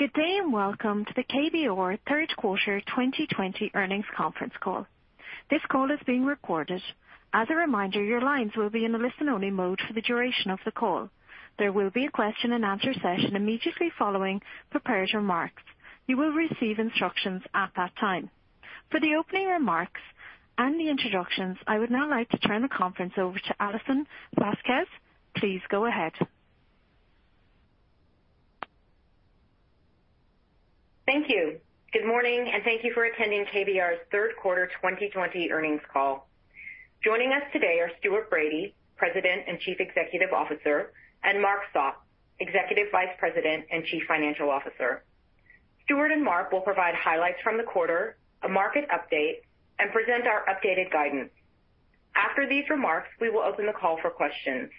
Good day, welcome to the KBR third quarter 2020 earnings conference call. This call is being recorded. As a reminder, your lines will be in a listen-only mode for the duration of the call. There will be a question and answer session immediately following prepared remarks. You will receive instructions at that time. For the opening remarks, the introductions, I would now like to turn the conference over to Alison Vasquez. Please go ahead. Thank you. Good morning, thank you for attending KBR's third quarter 2020 earnings call. Joining us today are Stuart Bradie, President and Chief Executive Officer, Mark Sopp, Executive Vice President and Chief Financial Officer. Stuart and Mark will provide highlights from the quarter, a market update, present our updated guidance. After these remarks, we will open the call for questions.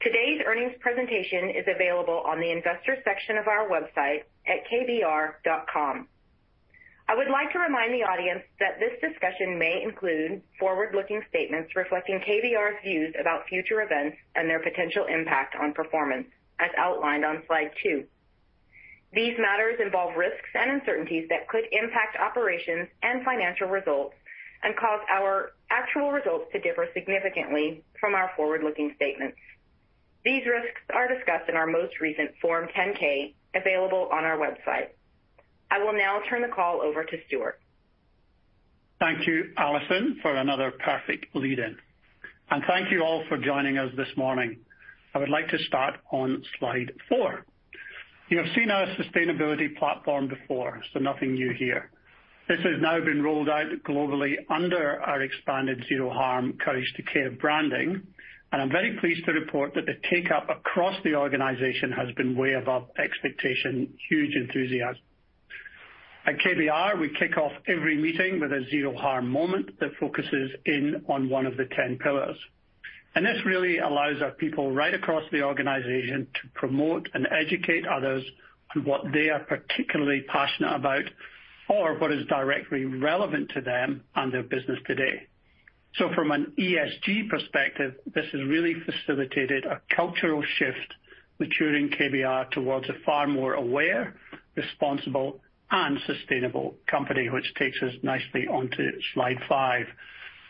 Today's earnings presentation is available on the investor section of our website at kbr.com. I would like to remind the audience that this discussion may include forward-looking statements reflecting KBR's views about future events and their potential impact on performance, as outlined on slide two. These matters involve risks and uncertainties that could impact operations, financial results, cause our actual results to differ significantly from our forward-looking statements. These risks are discussed in our most recent Form 10-K, available on our website. I will now turn the call over to Stuart. Thank you, Alison, for another perfect lead-in. Thank you all for joining us this morning. I would like to start on slide four. You have seen our sustainability platform before, nothing new here. This has now been rolled out globally under our expanded Zero Harm Courage to Care branding, I'm very pleased to report that the take-up across the organization has been way above expectation. Huge enthusiasm. At KBR, we kick off every meeting with a Zero Harm moment that focuses in on one of the 10 pillars. This really allows our people right across the organization to promote and educate others on what they are particularly passionate about or what is directly relevant to them and their business today. From an ESG perspective, this has really facilitated a cultural shift maturing KBR towards a far more aware, responsible, and sustainable company, which takes us nicely onto slide five,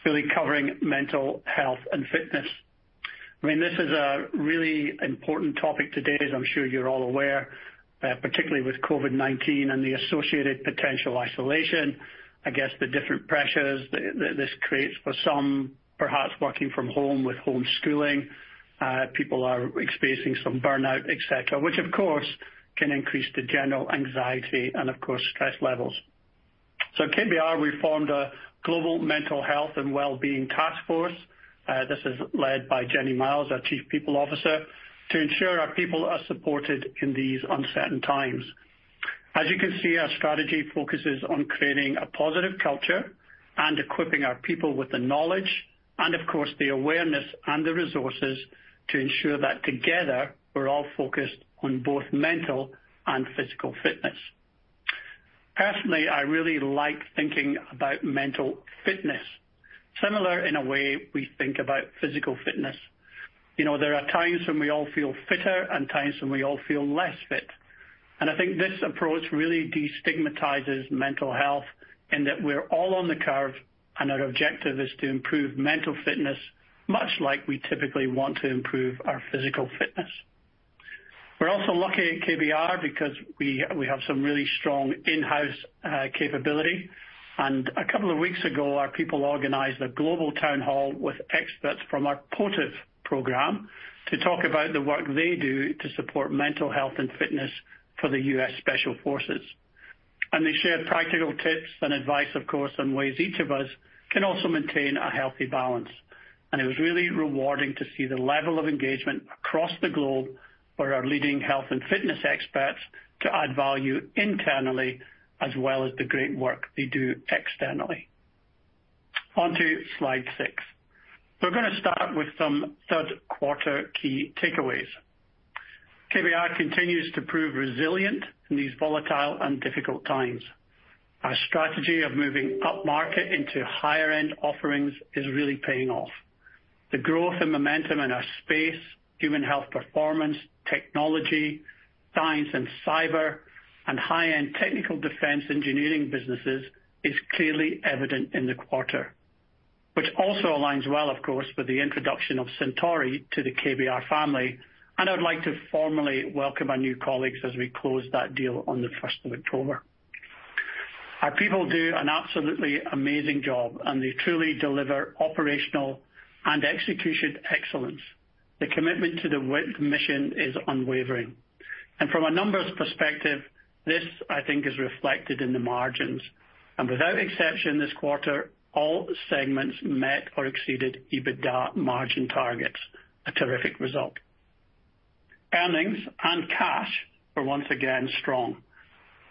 really covering mental health and fitness. I mean, this is a really important topic today, as I'm sure you're all aware, particularly with COVID-19 and the associated potential isolation, I guess the different pressures that this creates for some perhaps working from home with homeschooling. People are experiencing some burnout, et cetera, which of course can increase the general anxiety and of course, stress levels. At KBR, we formed a global mental health and wellbeing task force, this is led by Jenni Myles, our Chief People Officer, to ensure our people are supported in these uncertain times. As you can see, our strategy focuses on creating a positive culture and equipping our people with the knowledge and of course, the awareness and the resources to ensure that together we're all focused on both mental and physical fitness. Personally, I really like thinking about mental fitness similar in a way we think about physical fitness. There are times when we all feel fitter and times when we all feel less fit, and I think this approach really destigmatizes mental health in that we're all on the curve and our objective is to improve mental fitness, much like we typically want to improve our physical fitness. We're also lucky at KBR because we have some really strong in-house capability, and a couple of weeks ago, our people organized a global town hall with experts from our POTFF program to talk about the work they do to support mental health and fitness for the U.S. Special Forces. They shared practical tips and advice, of course, on ways each of us can also maintain a healthy balance. It was really rewarding to see the level of engagement across the globe for our leading health and fitness experts to add value internally as well as the great work they do externally. On to slide six. We're going to start with some third quarter key takeaways. KBR continues to prove resilient in these volatile and difficult times. Our strategy of moving upmarket into higher-end offerings is really paying off. The growth and momentum in our space, human health performance, technology, science and cyber, and high-end technical defense engineering businesses is clearly evident in the quarter, which also aligns well, of course, with the introduction of Centauri to the KBR family. I would like to formally welcome our new colleagues as we close that deal on the 1st of October. Our people do an absolutely amazing job, and they truly deliver operational and execution excellence. The commitment to the mission is unwavering. From a numbers perspective, this I think is reflected in the margins. Without exception this quarter, all segments met or exceeded EBITDA margin targets. A terrific result. Earnings and cash are once again strong.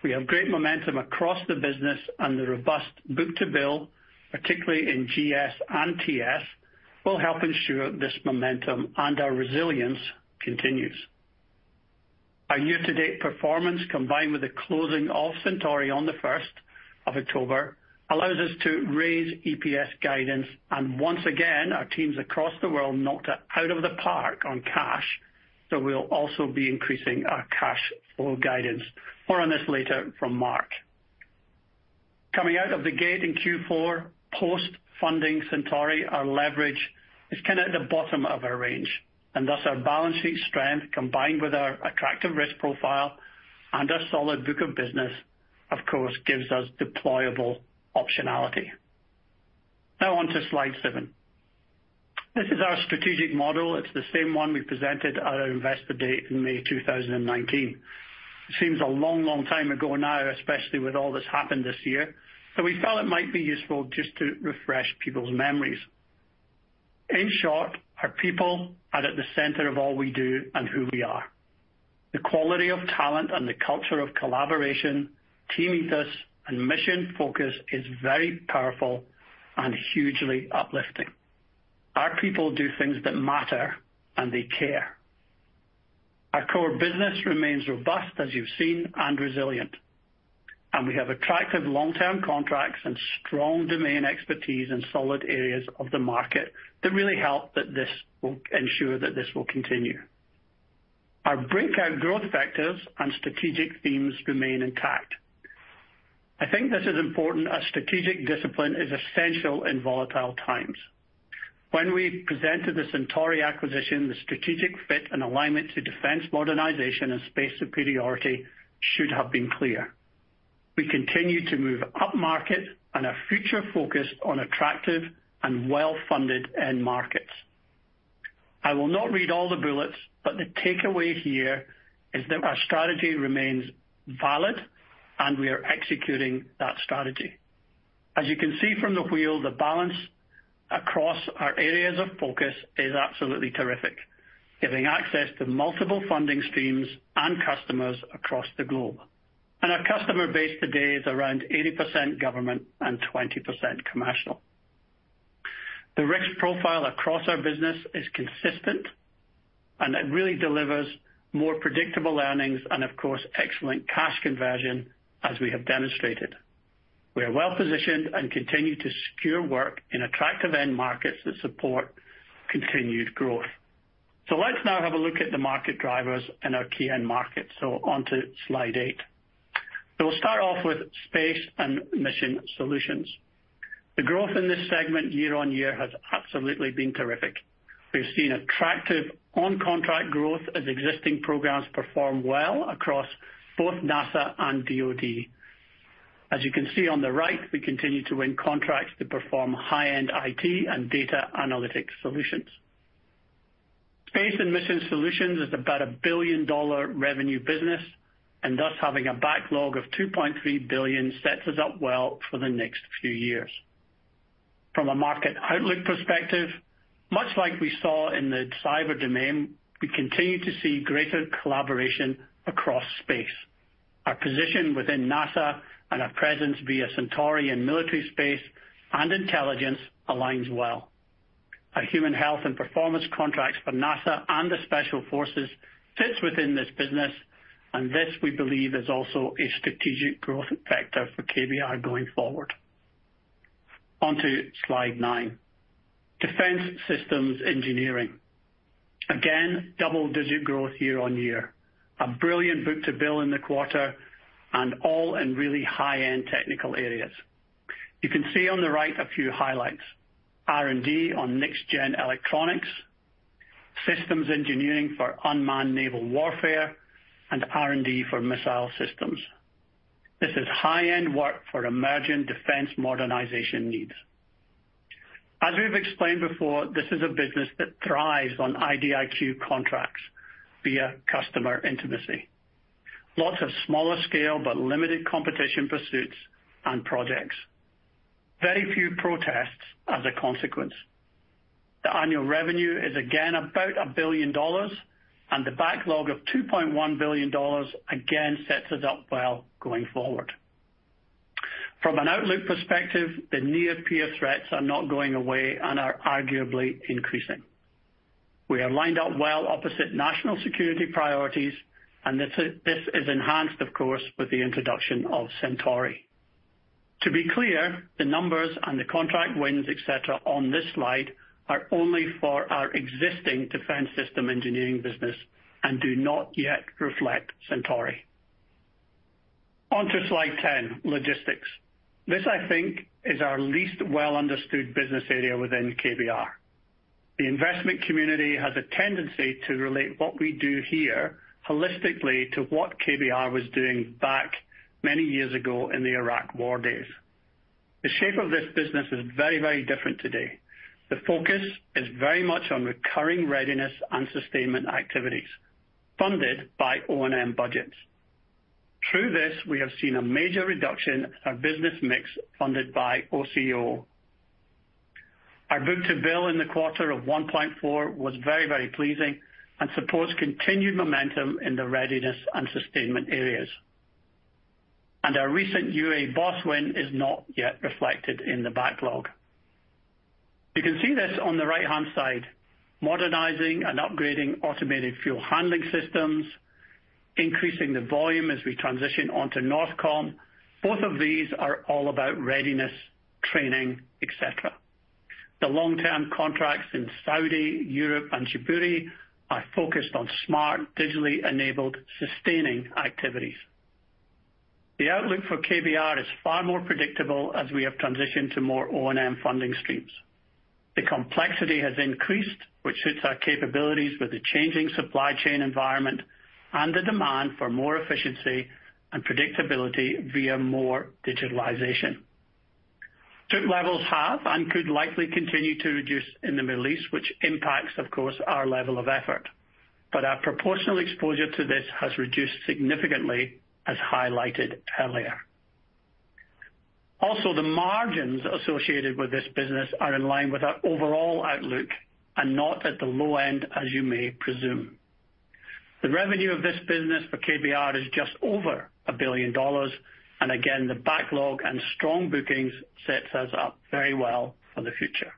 We have great momentum across the business, and the robust book-to-bill, particularly in GS and TS, will help ensure this momentum and our resilience continues. Our year-to-date performance, combined with the closing of Centauri on the first of October, allows us to raise EPS guidance. Once again, our teams across the world knocked it out of the park on cash. We'll also be increasing our cash flow guidance. More on this later from Mark. Coming out of the gate in Q4, post-funding Centauri, our leverage is kind of at the bottom of our range, and thus our balance sheet strength, combined with our attractive risk profile and our solid book of business, of course, gives us deployable optionality. On to slide seven. This is our strategic model. It's the same one we presented at our investor date in May 2019. It seems a long time ago now, especially with all that's happened this year, so we felt it might be useful just to refresh people's memories. In short, our people are at the center of all we do and who we are. The quality of talent and the culture of collaboration, team ethos, and mission focus is very powerful and hugely uplifting. Our people do things that matter, and they care. Our core business remains robust, as you've seen, and resilient. We have attractive long-term contracts and strong domain expertise in solid areas of the market that really help ensure that this will continue. Our breakout growth vectors and strategic themes remain intact. I think this is important, as strategic discipline is essential in volatile times. When we presented the Centauri acquisition, the strategic fit and alignment to defense modernization and space superiority should have been clear. We continue to move up market, and are future-focused on attractive and well-funded end markets. I will not read all the bullets, but the takeaway here is that our strategy remains valid, and we are executing that strategy. As you can see from the wheel, the balance across our areas of focus is absolutely terrific, giving access to multiple funding streams and customers across the globe. Our customer base today is around 80% government and 20% commercial. The risk profile across our business is consistent, and it really delivers more predictable earnings and, of course, excellent cash conversion, as we have demonstrated. We are well-positioned and continue to secure work in attractive end markets that support continued growth. Let's now have a look at the market drivers in our key end market. On to slide eight. We'll start off with space and mission solutions. The growth in this segment year-on-year has absolutely been terrific. We've seen attractive on-contract growth as existing programs perform well across both NASA and DoD. As you can see on the right, we continue to win contracts that perform high-end IT and data analytic solutions. Space and mission solutions is about a billion-dollar revenue business, and thus having a backlog of $2.3 billion sets us up well for the next few years. From a market outlook perspective, much like we saw in the cyber domain, we continue to see greater collaboration across space. Our position within NASA and our presence via Centauri in military space and intelligence aligns well. Our human health and performance contracts for NASA and the Special Forces fits within this business, and this, we believe, is also a strategic growth vector for KBR going forward. On to slide nine. Defense systems engineering. Again, double-digit growth year-on-year. A brilliant book-to-bill in the quarter and all in really high-end technical areas. You can see on the right a few highlights. R&D on next-gen electronics, systems engineering for unmanned naval warfare, and R&D for missile systems. This is high-end work for emerging defense modernization needs. As we've explained before, this is a business that thrives on IDIQ contracts via customer intimacy. Lots of smaller scale, but limited competition pursuits and projects. Very few protests as a consequence. The annual revenue is again about $1 billion, and the backlog of $2.1 billion again sets us up well going forward. From an outlook perspective, the near-peer threats are not going away and are arguably increasing. We are lined up well opposite national security priorities, and this is enhanced, of course, with the introduction of Centauri. To be clear, the numbers and the contract wins, et cetera, on this slide are only for our existing defense system engineering business and do not yet reflect Centauri. On to slide 10, logistics. This, I think, is our least well-understood business area within KBR. The investment community has a tendency to relate what we do here holistically to what KBR was doing back many years ago in the Iraq War days. The shape of this business is very different today. The focus is very much on recurring readiness and sustainment activities funded by O&M budgets. Through this, we have seen a major reduction in our business mix funded by OCO. Our book-to-bill in the quarter of 1.4 was very pleasing and supports continued momentum in the readiness and sustainment areas. Our recent UAE BOSS win is not yet reflected in the backlog. You can see this on the right-hand side, modernizing and upgrading automated fuel handling systems, increasing the volume as we transition onto Northcom. Both of these are all about readiness, training, et cetera. The long-term contracts in Saudi, Europe, and Djibouti are focused on smart, digitally enabled, sustaining activities. The outlook for KBR is far more predictable as we have transitioned to more O&M funding streams. The complexity has increased, which suits our capabilities with the changing supply chain environment and the demand for more efficiency and predictability via more digitalization. OPTEMPO levels have and could likely continue to reduce in the Middle East, which impacts, of course, our level of effort. Our proportional exposure to this has reduced significantly, as highlighted earlier. Also, the margins associated with this business are in line with our overall outlook and not at the low end as you may presume. The revenue of this business for KBR is just over $1 billion, and again, the backlog and strong bookings sets us up very well for the future.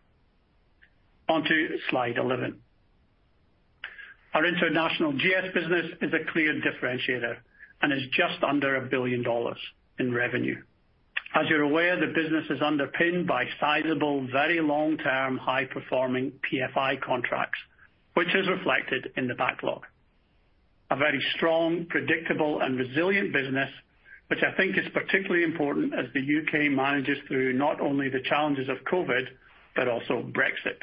On to slide 11. Our international GS business is a clear differentiator and is just under $1 billion in revenue. As you're aware, the business is underpinned by sizable, very long-term, high-performing PFI contracts, which is reflected in the backlog. A very strong, predictable, and resilient business, which I think is particularly important as the U.K. manages through not only the challenges of COVID, but also Brexit.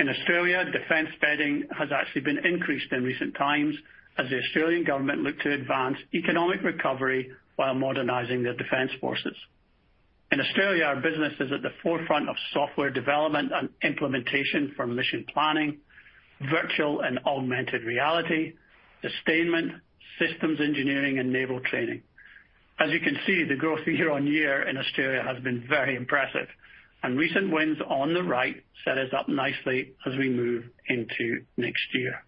In Australia, defense spending has actually been increased in recent times as the Australian government look to advance economic recovery while modernizing their defense forces. In Australia, our business is at the forefront of software development and implementation for mission planning, virtual and augmented reality, sustainment, systems engineering, and naval training. As you can see, the growth year-on-year in Australia has been very impressive, and recent wins on the right set us up nicely as we move into next year.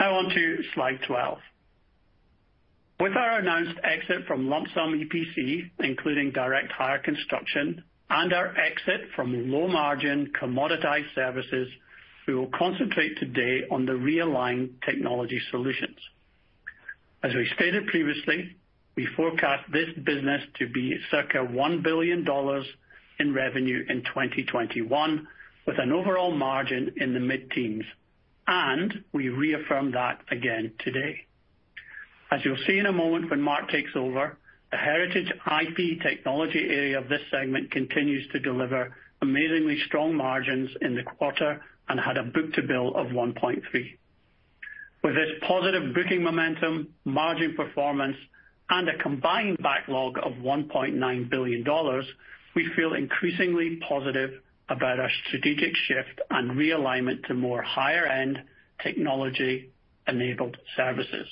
Now on to slide 12. With our announced exit from lump sum EPC, including direct hire construction, and our exit from low-margin commoditized services, we will concentrate today on the realigned technology solutions. As we stated previously, we forecast this business to be circa $1 billion in revenue in 2021, with an overall margin in the mid-teens, and we reaffirm that again today. As you'll see in a moment when Mark takes over, the heritage IP technology area of this segment continues to deliver amazingly strong margins in the quarter and had a book-to-bill of 1.3. With this positive booking momentum, margin performance, and a combined backlog of $1.9 billion, we feel increasingly positive about our strategic shift and realignment to more higher-end technology-enabled services.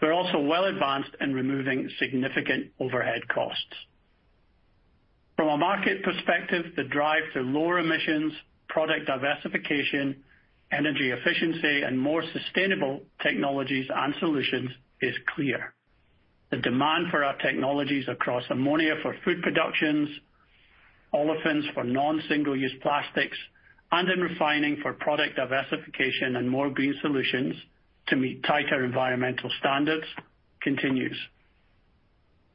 We're also well advanced in removing significant overhead costs. From a market perspective, the drive to lower emissions, product diversification, energy efficiency, and more sustainable technologies and solutions is clear. The demand for our technologies across ammonia for food productions, olefins for non-single-use plastics, and in refining for product diversification and more green solutions to meet tighter environmental standards continues.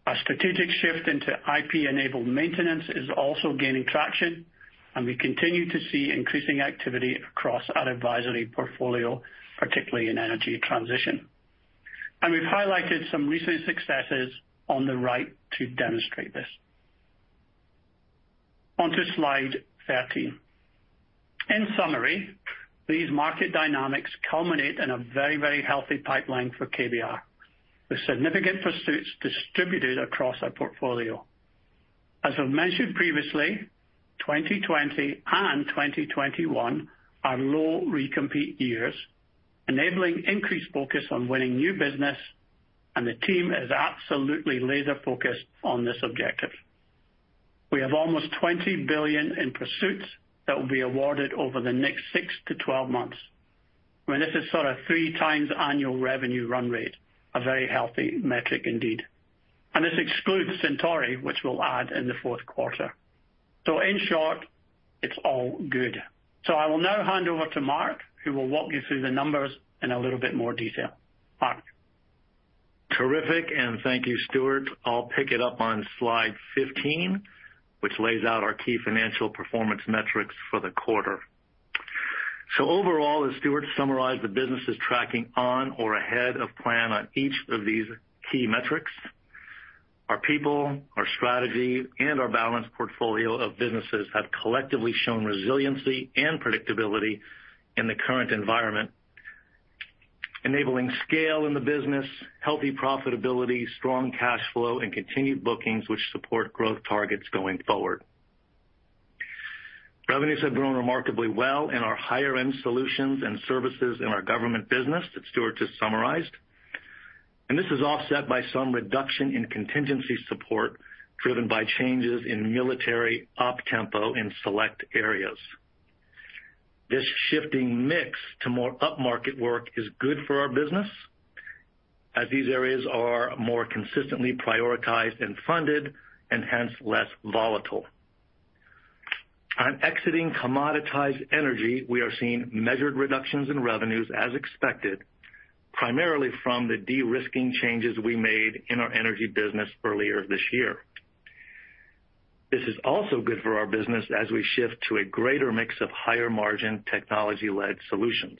A strategic shift into IP-enabled maintenance is also gaining traction, and we continue to see increasing activity across our advisory portfolio, particularly in energy transition. We've highlighted some recent successes on the right to demonstrate this. On to slide 13. In summary, these market dynamics culminate in a very, very healthy pipeline for KBR, with significant pursuits distributed across our portfolio. As I've mentioned previously, 2020 and 2021 are low recompete years, enabling increased focus on winning new business, the team is absolutely laser focused on this objective. We have almost $20 billion in pursuits that will be awarded over the next 6 to 12 months. I mean, this is sort of 3 times annual revenue run rate, a very healthy metric indeed. This excludes Centauri, which we'll add in the fourth quarter. In short, it's all good. I will now hand over to Mark, who will walk you through the numbers in a little bit more detail. Mark? Terrific, thank you, Stuart. I'll pick it up on slide 15, which lays out our key financial performance metrics for the quarter. Overall, as Stuart summarized, the business is tracking on or ahead of plan on each of these key metrics. Our people, our strategy, and our balanced portfolio of businesses have collectively shown resiliency and predictability in the current environment, enabling scale in the business, healthy profitability, strong cash flow, and continued bookings, which support growth targets going forward. Revenues have grown remarkably well in our higher-end solutions and services in our government business that Stuart just summarized, this is offset by some reduction in contingency support, driven by changes in military OPTEMPO in select areas. This shifting mix to more upmarket work is good for our business, as these areas are more consistently prioritized and funded, hence less volatile. On exiting commoditized energy, we are seeing measured reductions in revenues as expected, primarily from the de-risking changes we made in our energy business earlier this year. This is also good for our business as we shift to a greater mix of higher-margin technology-led solutions.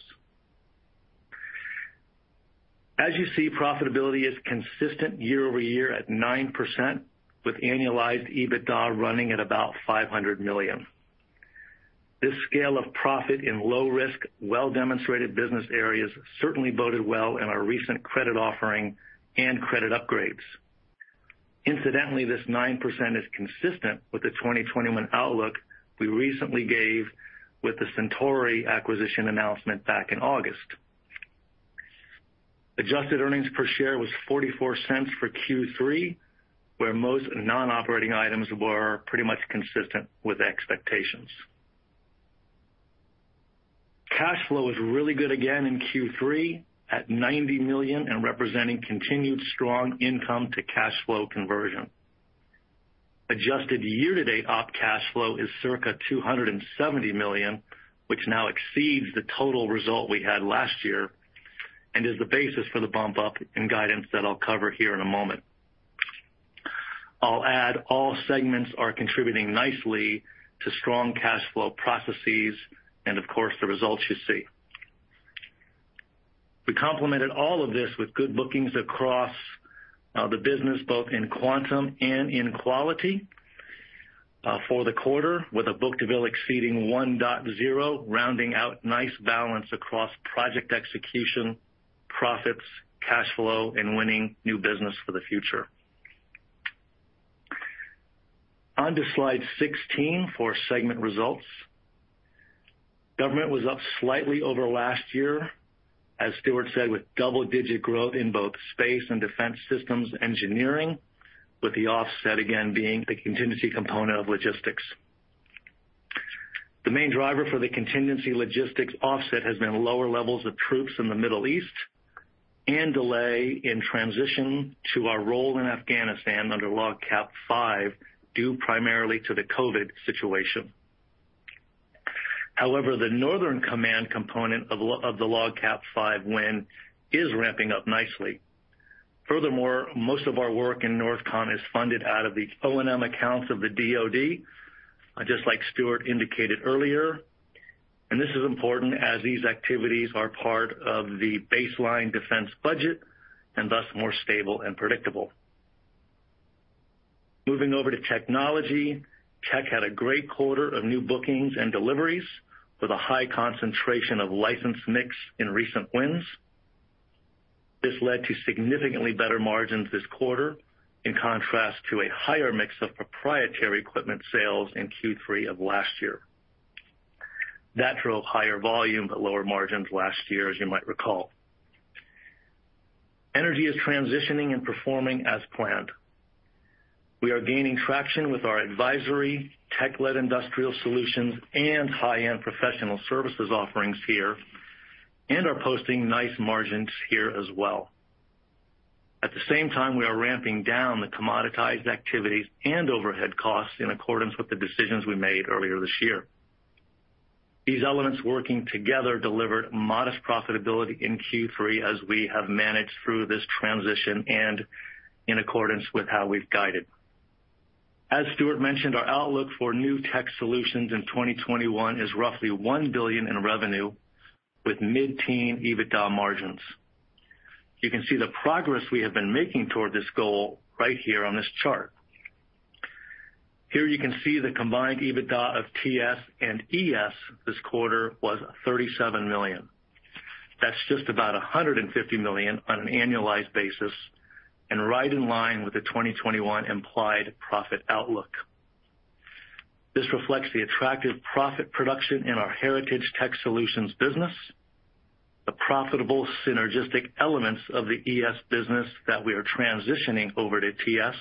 As you see, profitability is consistent year-over-year at 9%, with annualized EBITDA running at about $500 million. This scale of profit in low-risk, well-demonstrated business areas certainly boded well in our recent credit offering and credit upgrades. Incidentally, this 9% is consistent with the 2021 outlook we recently gave with the Centauri acquisition announcement back in August. Adjusted earnings per share was $0.44 for Q3, where most non-operating items were pretty much consistent with expectations. Cash flow was really good again in Q3 at $90 million and representing continued strong income to cash flow conversion. Adjusted year-to-date op cash flow is circa $270 million, which now exceeds the total result we had last year and is the basis for the bump up in guidance that I'll cover here in a moment. I'll add all segments are contributing nicely to strong cash flow processes and of course, the results you see. We complemented all of this with good bookings across the business, both in quantum and in quality for the quarter, with a book-to-bill exceeding 1.0, rounding out nice balance across project execution, profits, cash flow, and winning new business for the future. On to slide 16 for segment results. Government was up slightly over last year, as Stuart said, with double-digit growth in both space and defense systems engineering, with the offset again being the contingency component of logistics. The main driver for the contingency logistics offset has been lower levels of troops in the Middle East and delay in transition to our role in Afghanistan under LOGCAP V, due primarily to the COVID situation. However, the Northern Command component of the LOGCAP V win is ramping up nicely. Furthermore, most of our work in NORTHCOM is funded out of the O&M accounts of the DoD, just like Stuart indicated earlier, and this is important as these activities are part of the baseline defense budget and thus more stable and predictable. Moving over to technology. Tech had a great quarter of new bookings and deliveries with a high concentration of license mix in recent wins. This led to significantly better margins this quarter, in contrast to a higher mix of proprietary equipment sales in Q3 of last year. That drove higher volume but lower margins last year, as you might recall. Energy is transitioning and performing as planned. We are gaining traction with our advisory, tech-led industrial solutions, and high-end professional services offerings here, and are posting nice margins here as well. At the same time, we are ramping down the commoditized activities and overhead costs in accordance with the decisions we made earlier this year. These elements working together delivered modest profitability in Q3 as we have managed through this transition and in accordance with how we've guided. As Stuart mentioned, our outlook for new tech solutions in 2021 is roughly $1 billion in revenue with mid-teen EBITDA margins. You can see the progress we have been making toward this goal right here on this chart. Here you can see the combined EBITDA of TS and ES this quarter was $37 million. That's just about $150 million on an annualized basis and right in line with the 2021 implied profit outlook. This reflects the attractive profit production in our heritage Tech Solutions business, the profitable synergistic elements of the ES business that we are transitioning over to TS,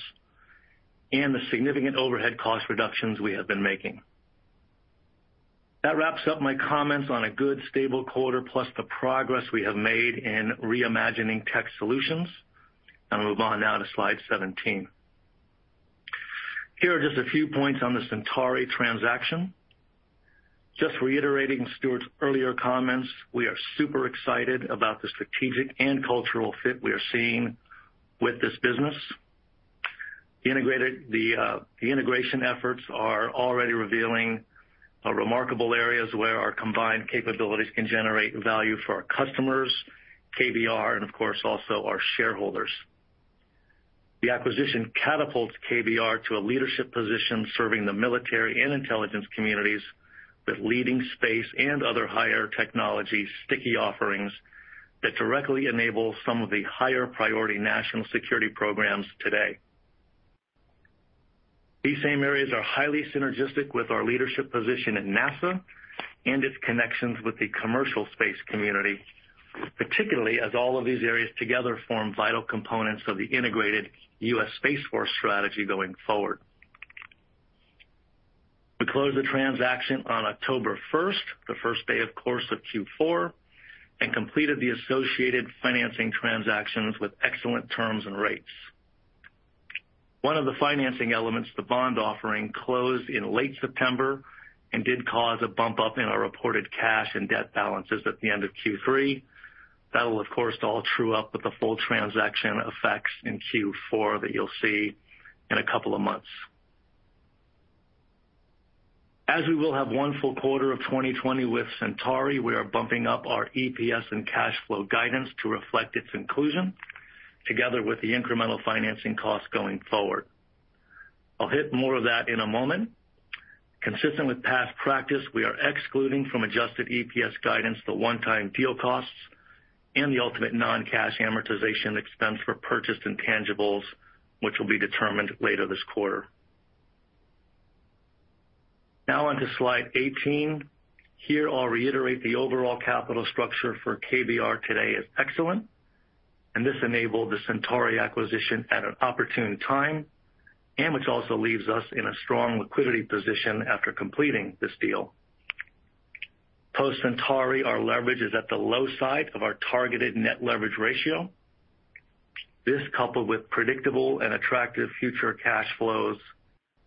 and the significant overhead cost reductions we have been making. That wraps up my comments on a good stable quarter plus the progress we have made in reimagining Tech Solutions. I'll move on now to slide 17. Here are just a few points on the Centauri transaction. Just reiterating Stuart's earlier comments, we are super excited about the strategic and cultural fit we are seeing with this business. The integration efforts are already revealing remarkable areas where our combined capabilities can generate value for our customers, KBR, and of course, also our shareholders. The acquisition catapults KBR to a leadership position serving the military and intelligence communities with leading space and other higher technology sticky offerings that directly enable some of the higher-priority national security programs today. These same areas are highly synergistic with our leadership position at NASA and its connections with the commercial space community, particularly as all of these areas together form vital components of the integrated U.S. Space Force strategy going forward. We closed the transaction on October 1st, the first day, of course, of Q4, and completed the associated financing transactions with excellent terms and rates. One of the financing elements, the bond offering, closed in late September and did cause a bump up in our reported cash and debt balances at the end of Q3. That will, of course, all true up with the full transaction effects in Q4 that you'll see in a couple of months. As we will have one full quarter of 2020 with Centauri, we are bumping up our EPS and cash flow guidance to reflect its inclusion together with the incremental financing cost going forward. I'll hit more of that in a moment. Consistent with past practice, we are excluding from adjusted EPS guidance the one-time deal costs and the ultimate non-cash amortization expense for purchased intangibles, which will be determined later this quarter. Now on to slide 18. Here, I'll reiterate the overall capital structure for KBR today is excellent, and this enabled the Centauri acquisition at an opportune time, and which also leaves us in a strong liquidity position after completing this deal. Post-Centauri, our leverage is at the low side of our targeted net leverage ratio. This, coupled with predictable and attractive future cash flows,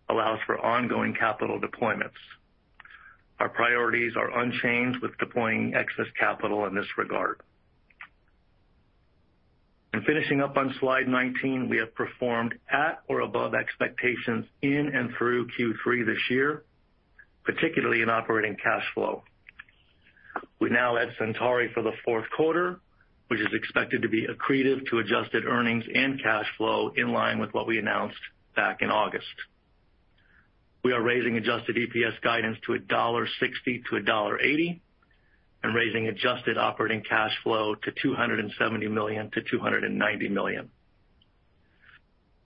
allows for ongoing capital deployments. Our priorities are unchanged with deploying excess capital in this regard. Finishing up on slide 19, we have performed at or above expectations in and through Q3 this year, particularly in operating cash flow. We now add Centauri for the fourth quarter, which is expected to be accretive to adjusted earnings and cash flow in line with what we announced back in August. We are raising adjusted EPS guidance to $1.60-$1.80 and raising adjusted operating cash flow to $270 million-$290 million.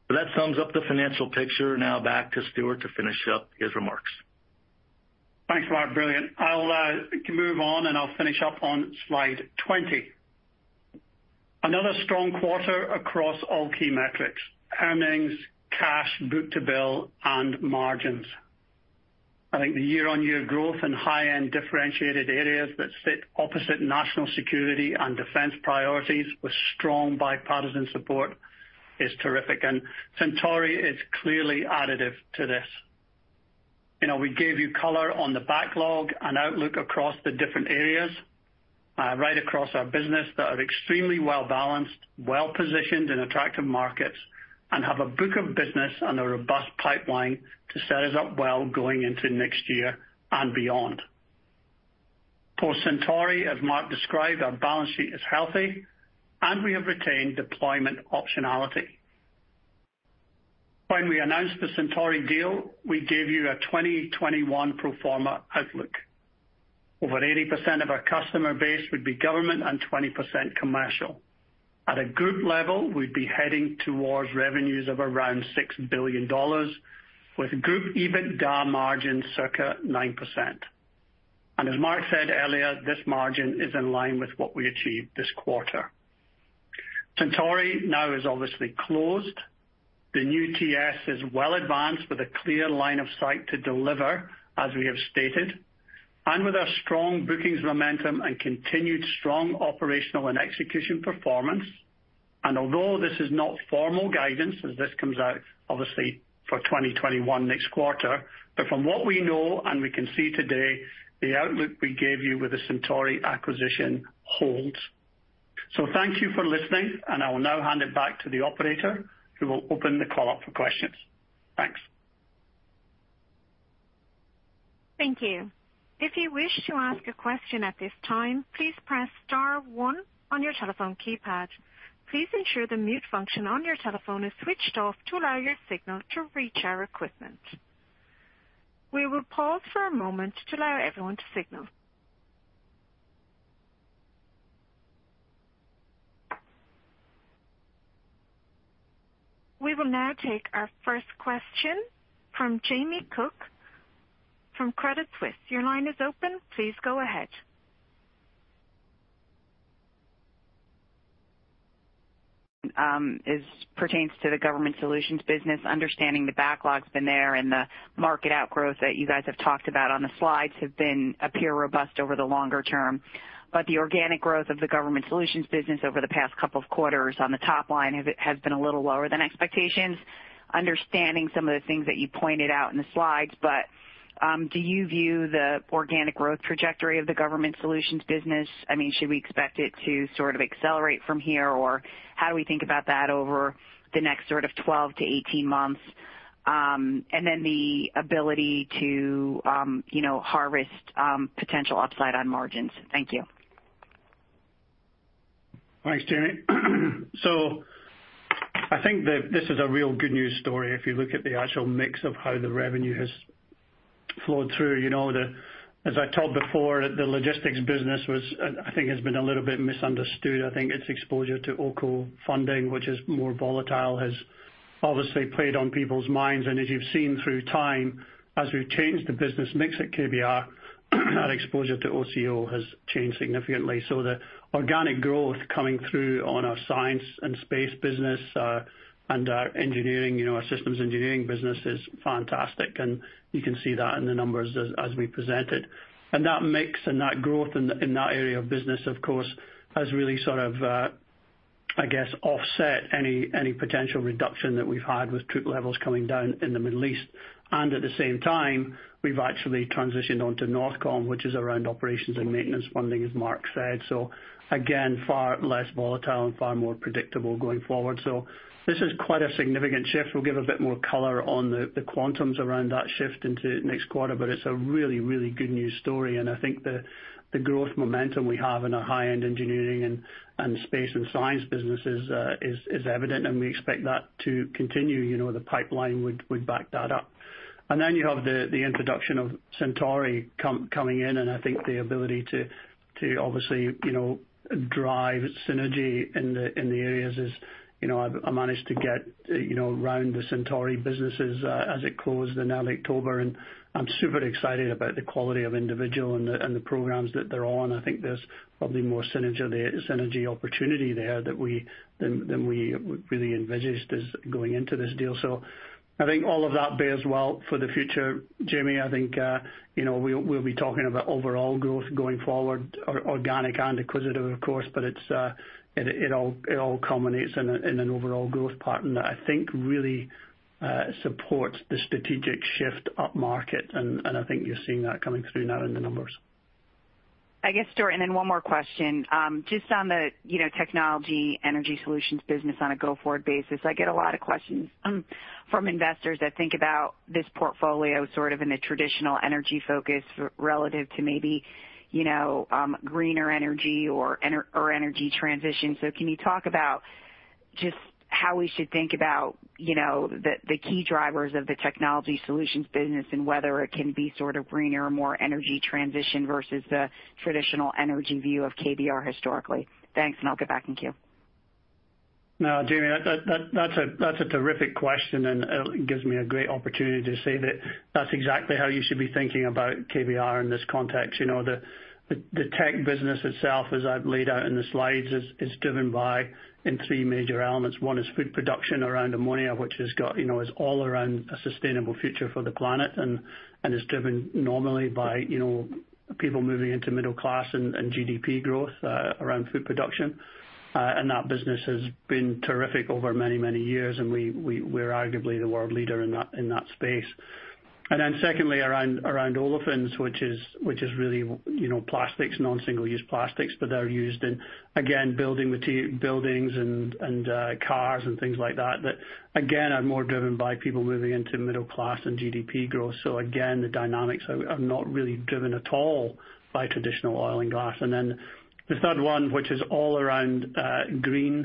That sums up the financial picture. Now back to Stuart to finish up his remarks. Thanks, Mark. Brilliant. I'll move on, and I'll finish up on slide 20. Another strong quarter across all key metrics, earnings, cash, book-to-bill, and margins. I think the year-over-year growth in high-end differentiated areas that sit opposite national security and defense priorities with strong bipartisan support is terrific. Centauri is clearly additive to this. We gave you color on the backlog and outlook across the different areas right across our business that are extremely well-balanced, well-positioned in attractive markets, and have a book of business and a robust pipeline to set us up well going into next year and beyond. Post-Centauri, as Mark described, our balance sheet is healthy, and we have retained deployment optionality. When we announced the Centauri deal, we gave you a 2021 pro forma outlook. Over 80% of our customer base would be government and 20% commercial. At a group level, we'd be heading towards revenues of around $6 billion, with group EBITDA margin circa 9%. As Mark said earlier, this margin is in line with what we achieved this quarter. Centauri now is obviously closed. The new TS is well advanced with a clear line of sight to deliver, as we have stated, and with our strong bookings momentum and continued strong operational and execution performance. Although this is not formal guidance as this comes out obviously for 2021 next quarter, but from what we know and we can see today, the outlook we gave you with the Centauri acquisition holds. Thank you for listening, and I will now hand it back to the operator, who will open the call up for questions. Thanks. Thank you. If you wish to ask a question at this time, please press star one on your telephone keypad. Please ensure the mute function on your telephone is switched off to allow your signal to reach our equipment. We will pause for a moment to allow everyone to signal. We will now take our first question from Jamie Cook from Credit Suisse. Your line is open. Please go ahead. As pertains to the Government Solutions business, understanding the backlog's been there and the market outgrowth that you guys have talked about on the slides have been appear robust over the longer term. The organic growth of the Government Solutions business over the past couple of quarters on the top line has been a little lower than expectations, understanding some of the things that you pointed out in the slides. Do you view the organic growth trajectory of the Government Solutions business, should we expect it to sort of accelerate from here? Or how do we think about that over the next sort of 12 to 18 months? Then the ability to harvest potential upside on margins. Thank you. Thanks, Jamie. I think that this is a real good news story if you look at the actual mix of how the revenue has flowed through. As I told before, the logistics business I think has been a little bit misunderstood. I think its exposure to OCO funding, which is more volatile, has obviously played on people's minds. As you've seen through time, as we've changed the business mix at KBR, our exposure to OCO has changed significantly. The organic growth coming through on our science and space business and our engineering, our systems engineering business is fantastic, and you can see that in the numbers as we presented. That mix and that growth in that area of business, of course, has really sort of I guess, offset any potential reduction that we've had with troop levels coming down in the Middle East. At the same time, we've actually transitioned onto NORTHCOM, which is around operations and maintenance funding, as Mark said. Again, far less volatile and far more predictable going forward. This is quite a significant shift. We'll give a bit more color on the quantums around that shift into next quarter, but it's a really, really good news story, and I think the growth momentum we have in our high-end engineering and space and science businesses is evident, and we expect that to continue. The pipeline would back that up. Then you have the introduction of Centauri coming in, and I think the ability to obviously drive synergy in the areas. I managed to get around the Centauri businesses as it closed in early October, and I'm super excited about the quality of individual and the programs that they're on. I think there's probably more synergy opportunity there than we really envisaged is going into this deal. I think all of that bears well for the future, Jamie. I think we'll be talking about overall growth going forward, organic and acquisitive, of course. It all culminates in an overall growth pattern that I think really supports the strategic shift upmarket, and I think you're seeing that coming through now in the numbers. I guess, Stuart, then one more question. Just on the technology energy solutions business on a go-forward basis, I get a lot of questions from investors that think about this portfolio sort of in a traditional energy focus relative to maybe greener energy or energy transition. Can you talk about just how we should think about the key drivers of the technology solutions business and whether it can be sort of greener or more energy transition versus the traditional energy view of KBR historically? Thanks, I'll get back in queue. No, Jamie, that's a terrific question. It gives me a great opportunity to say that that's exactly how you should be thinking about KBR in this context. The tech business itself, as I've laid out in the slides, is driven by three major elements. One is food production around ammonia, which is all around a sustainable future for the planet and is driven normally by people moving into middle class and GDP growth around food production. That business has been terrific over many, many years, and we're arguably the world leader in that space. Secondly, around olefins, which is really plastics, non-single-use plastics, but they're used in, again, buildings and cars and things like that again, are more driven by people moving into middle class and GDP growth. Again, the dynamics are not really driven at all by traditional oil and gas. The third one, which is all around green,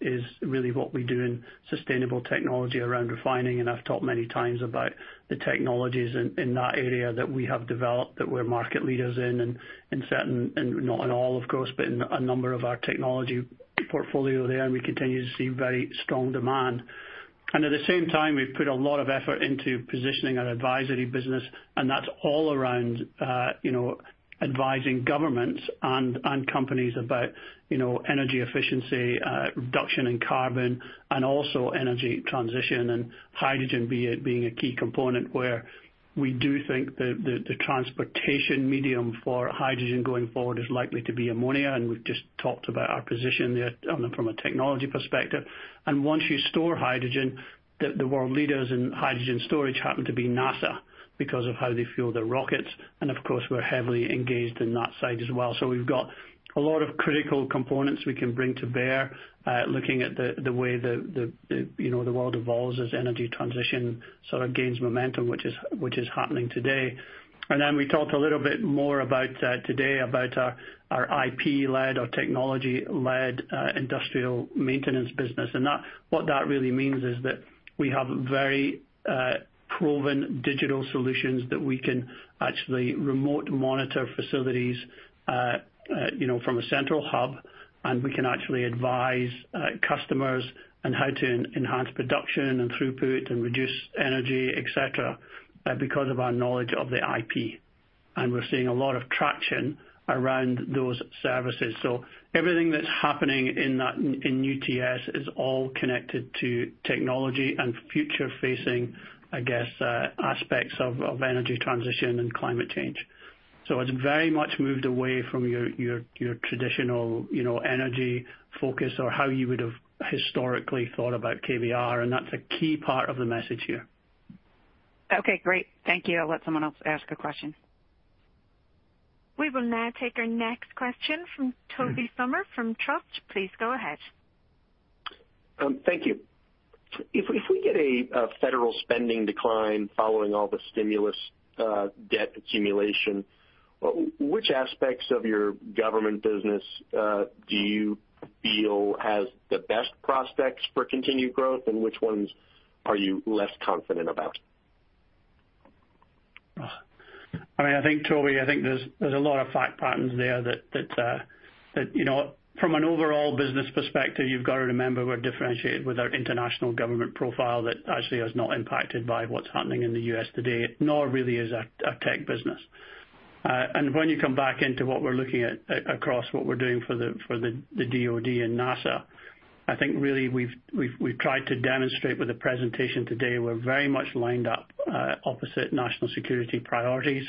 is really what we do in sustainable technology around refining. I've talked many times about the technologies in that area that we have developed, that we're market leaders in certain and not in all, of course, but in a number of our technology portfolio there, and we continue to see very strong demand. At the same time, we've put a lot of effort into positioning our advisory business. That's all around advising governments and companies about energy efficiency, reduction in carbon, and also energy transition. Hydrogen being a key component where we do think the transportation medium for hydrogen going forward is likely to be ammonia, and we've just talked about our position there from a technology perspective. Once you store hydrogen, the world leaders in hydrogen storage happen to be NASA because of how they fuel their rockets. Of course, we're heavily engaged in that side as well. We've got a lot of critical components we can bring to bear looking at the way the world evolves as energy transition sort of gains momentum, which is happening today. We talked a little bit more today about our IP-led or technology-led industrial maintenance business. What that really means is that we have very proven digital solutions that we can actually remote monitor facilities from a central hub, and we can actually advise customers on how to enhance production and throughput and reduce energy, et cetera, because of our knowledge of the IP. We're seeing a lot of traction around those services. Everything that's happening in STS is all connected to technology and future-facing, I guess, aspects of energy transition and climate change. It's very much moved away from your traditional energy focus or how you would have historically thought about KBR, and that's a key part of the message here. Okay, great. Thank you. I'll let someone else ask a question. We will now take our next question from Tobey Sommer from Truist. Please go ahead. Thank you. If we get a federal spending decline following all the stimulus debt accumulation, which aspects of your government business do you feel has the best prospects for continued growth, and which ones are you less confident about? I think, Tobey, there's a lot of fact patterns there that from an overall business perspective, you've got to remember we're differentiated with our international government profile that actually is not impacted by what's happening in the U.S. today, nor really is our tech business. When you come back into what we're looking at across what we're doing for the DoD and NASA, I think really we've tried to demonstrate with the presentation today, we're very much lined up opposite national security priorities.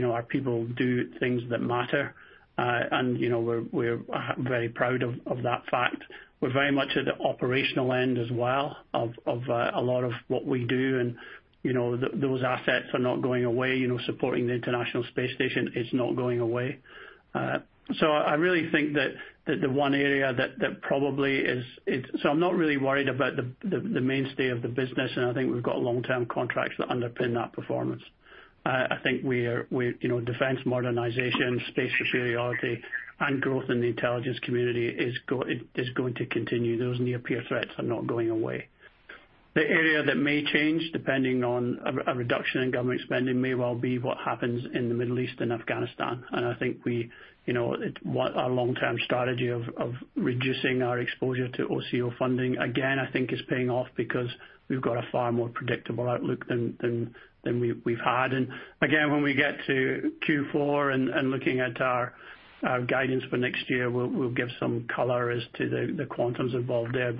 Our people do things that matter. We're very proud of that fact. We're very much at the operational end as well of a lot of what we do, and those assets are not going away. Supporting the International Space Station is not going away. I really think that the one area that probably I'm not really worried about the mainstay of the business, and I think we've got long-term contracts that underpin that performance. I think defense modernization, space superiority, and growth in the intelligence community is going to continue. Those near-peer threats are not going away. The area that may change, depending on a reduction in government spending, may well be what happens in the Middle East and Afghanistan. I think our long-term strategy of reducing our exposure to OCO funding, again, I think is paying off because we've got a far more predictable outlook than we've had. Again, when we get to Q4 and looking at our guidance for next year, we'll give some color as to the quantums involved there.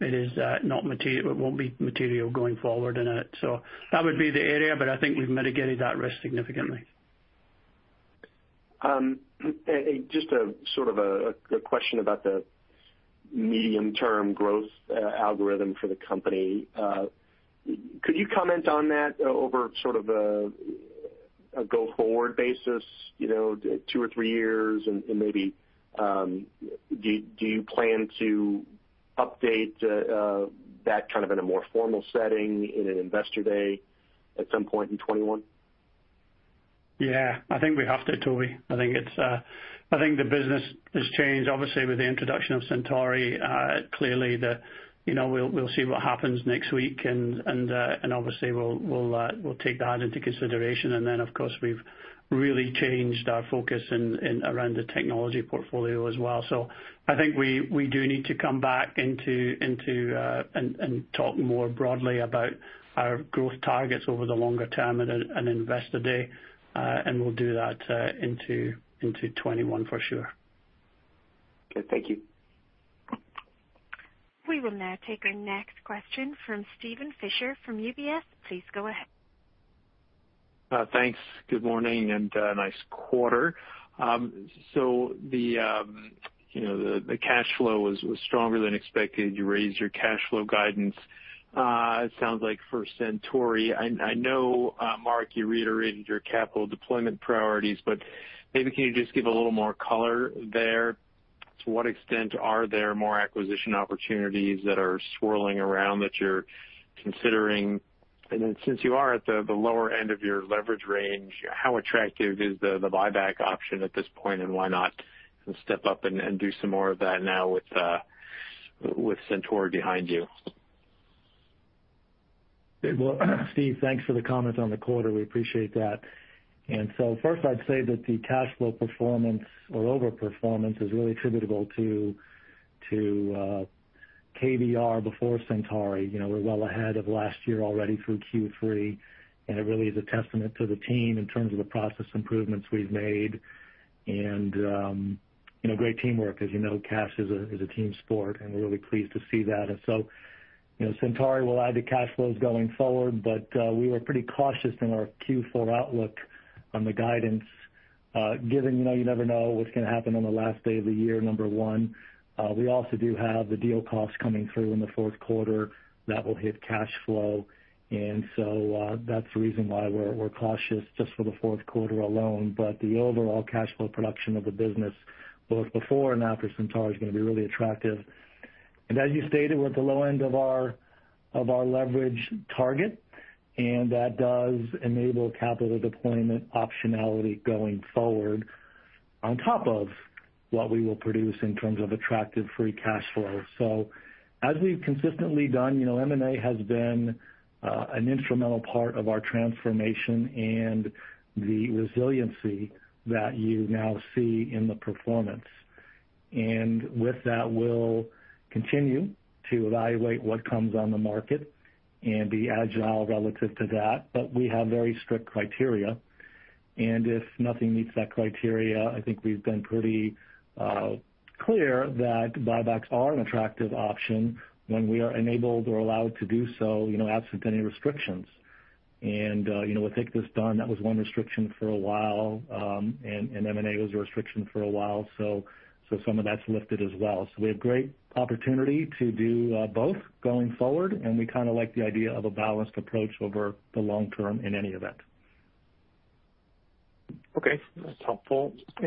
It won't be material going forward in it. That would be the area, but I think we've mitigated that risk significantly. Just a question about the medium-term growth algorithm for the company. Could you comment on that over a go-forward basis, two or three years, and maybe do you plan to update that in a more formal setting in an investor day at some point in 2021? Yeah, I think we have to, Tobey. I think the business has changed, obviously, with the introduction of Centauri. Clearly, we'll see what happens next week, and obviously, we'll take that into consideration. Of course, we've really changed our focus around the technology portfolio as well. I think we do need to come back and talk more broadly about our growth targets over the longer term at an investor day. We'll do that into 2021 for sure. Okay, thank you. We will now take our next question from Steven Fisher from UBS. Please go ahead. Thanks. Good morning and nice quarter. The cash flow was stronger than expected. You raised your cash flow guidance. It sounds like for Centauri, I know, Mark, you reiterated your capital deployment priorities, but maybe can you just give a little more color there? To what extent are there more acquisition opportunities that are swirling around that you're considering? Then since you are at the lower end of your leverage range, how attractive is the buyback option at this point, and why not step up and do some more of that now with Centauri behind you? Steve, thanks for the comments on the quarter. We appreciate that. First I'd say that the cash flow performance or over-performance is really attributable to KBR before Centauri. We're well ahead of last year already through Q3, and it really is a testament to the team in terms of the process improvements we've made and great teamwork. As you know, cash is a team sport, and we're really pleased to see that. Centauri will add to cash flows going forward, but we were pretty cautious in our Q4 outlook on the guidance given you never know what's going to happen on the last day of the year, number one. We also do have the deal costs coming through in the fourth quarter that will hit cash flow. That's the reason why we're cautious just for the fourth quarter alone. The overall cash flow production of the business both before and after Centauri is going to be really attractive. As you stated, we're at the low end of our leverage target, and that does enable capital deployment optionality going forward on top of what we will produce in terms of attractive free cash flow. As we've consistently done, M&A has been an instrumental part of our transformation and the resiliency that you now see in the performance. With that, we'll continue to evaluate what comes on the market and be agile relative to that. We have very strict criteria, and if nothing meets that criteria, I think we've been pretty clear that buybacks are an attractive option when we are enabled or allowed to do so absent any restrictions. With FCPA done, that was one restriction for a while, and M&A was a restriction for a while. Some of that's lifted as well. We have great opportunity to do both going forward, and we kind of like the idea of a balanced approach over the long term in any event. Okay. That's helpful. As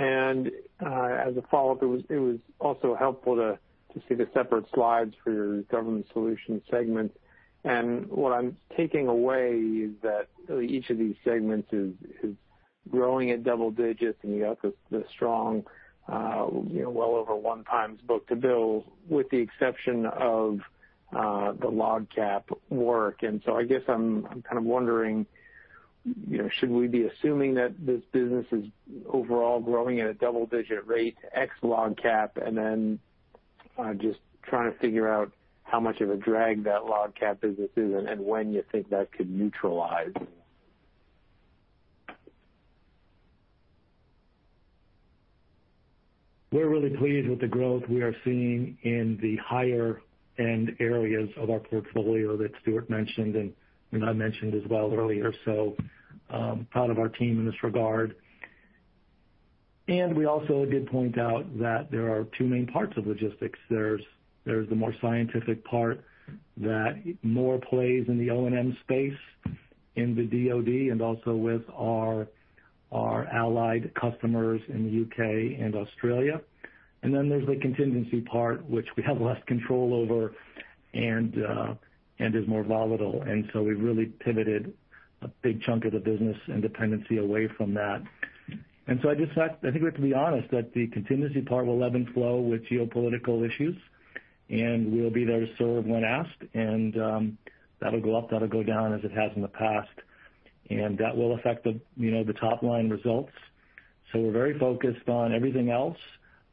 a follow-up, it was also helpful to see the separate slides for your Government Solutions segment. What I'm taking away is that each of these segments is growing at double digits, and you have the strong well over one times book-to-bill with the exception of the LOGCAP V work. I guess I'm kind of wondering, should we be assuming that this business is overall growing at a double-digit rate ex LOGCAP V and then I'm just trying to figure out how much of a drag that LOGCAP V business is and when you think that could neutralize. We're really pleased with the growth we are seeing in the higher-end areas of our portfolio that Stuart mentioned, and I mentioned as well earlier. Proud of our team in this regard. We also did point out that there are two main parts of logistics. There's the more scientific part that more plays in the O&M space, in the DoD, and also with our allied customers in the U.K. and Australia. There's the contingency part, which we have less control over and is more volatile. I just thought, I think we have to be honest, that the contingency part will ebb and flow with geopolitical issues, and we'll be there to serve when asked. That'll go up, that'll go down as it has in the past, that will affect the top-line results. We're very focused on everything else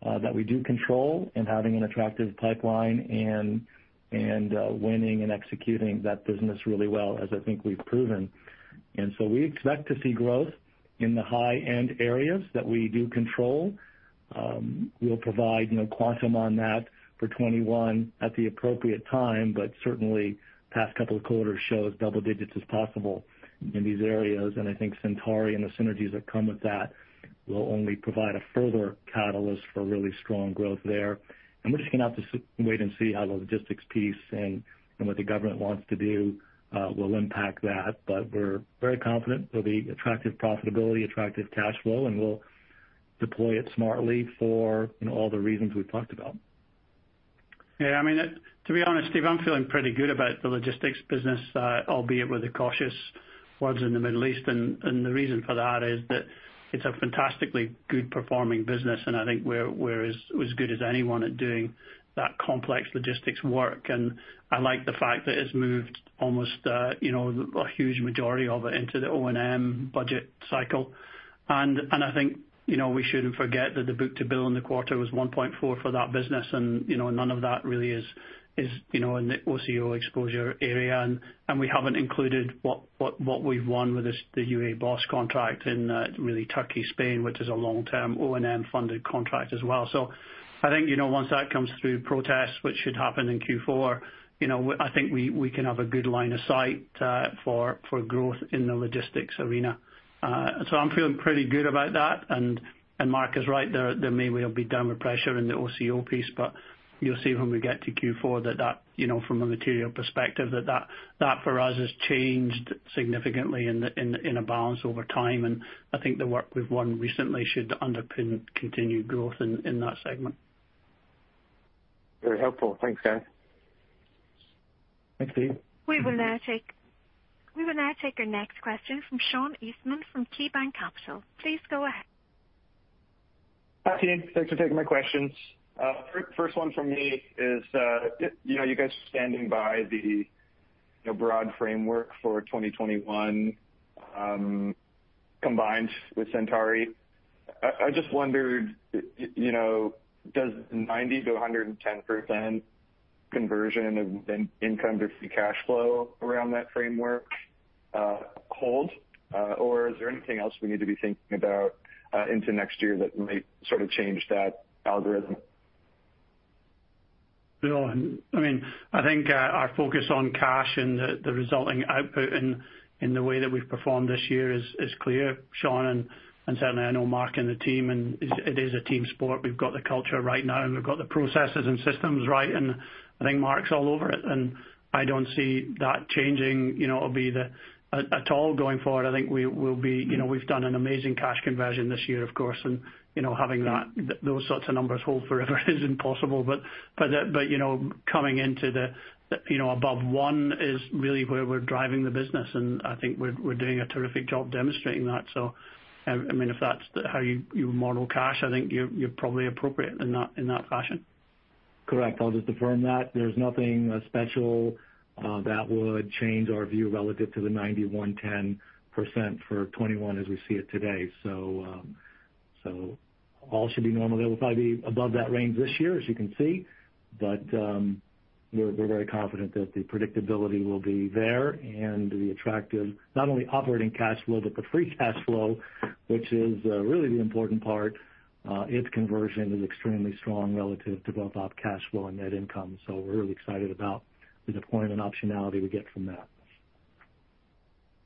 that we do control and having an attractive pipeline and winning and executing that business really well, as I think we've proven. We expect to see growth in the high-end areas that we do control. We'll provide quantum on that for 2021 at the appropriate time, but certainly, past couple of quarters shows double digits is possible in these areas. I think Centauri and the synergies that come with that will only provide a further catalyst for really strong growth there. We're just going to have to wait and see how the logistics piece and what the government wants to do will impact that. We're very confident there'll be attractive profitability, attractive cash flow, and we'll deploy it smartly for all the reasons we've talked about. Yeah, to be honest, Steve, I'm feeling pretty good about the logistics business, albeit with the cautious words in the Middle East. The reason for that is that it's a fantastically good performing business, I think we're as good as anyone at doing that complex logistics work. I like the fact that it's moved almost a huge majority of it into the O&M budget cycle. I think we shouldn't forget that the book-to-bill in the quarter was 1.4 for that business, none of that really is in the OCO exposure area. We haven't included what we've won with the UAE BOSS contract in really Turkey, Spain, which is a long-term O&M-funded contract as well. I think once that comes through protests, which should happen in Q4, I think we can have a good line of sight for growth in the logistics arena. I'm feeling pretty good about that, Mark is right, there may well be downward pressure in the OCO piece, you'll see when we get to Q4 that from a material perspective, that for us has changed significantly in a balance over time. I think the work we've won recently should underpin continued growth in that segment. Very helpful. Thanks, guys. Thanks, Steve. We will now take your next question from Sean Eastman from KeyBanc Capital. Please go ahead. Hi, team. Thanks for taking my questions. First one from me is you guys are standing by the broad framework for 2021, combined with Centauri. I just wondered, does 90%-110% conversion of income to free cash flow around that framework hold? Is there anything else we need to be thinking about into next year that might sort of change that algorithm? I think our focus on cash and the resulting output in the way that we've performed this year is clear, Sean Eastman, and certainly I know Mark Sopp and the team, and it is a team sport. We've got the culture right now, and we've got the processes and systems right, and I think Mark Sopp's all over it, and I don't see that changing at all going forward. I think we've done an amazing cash conversion this year, of course, having those sorts of numbers hold forever is impossible. Coming into the above one is really where we're driving the business, and I think we're doing a terrific job demonstrating that. If that's how you model cash, I think you're probably appropriate in that fashion. Correct. I'll just affirm that. There's nothing special that would change our view relative to the 91%, 110% for 2021 as we see it today. All should be normal. There will probably be above that range this year, as you can see. We're very confident that the predictability will be there and the attractive, not only operating cash flow, but the free cash flow, which is really the important part. Its conversion is extremely strong relative to both cash flow and net income. We're really excited about the deployment optionality we get from that.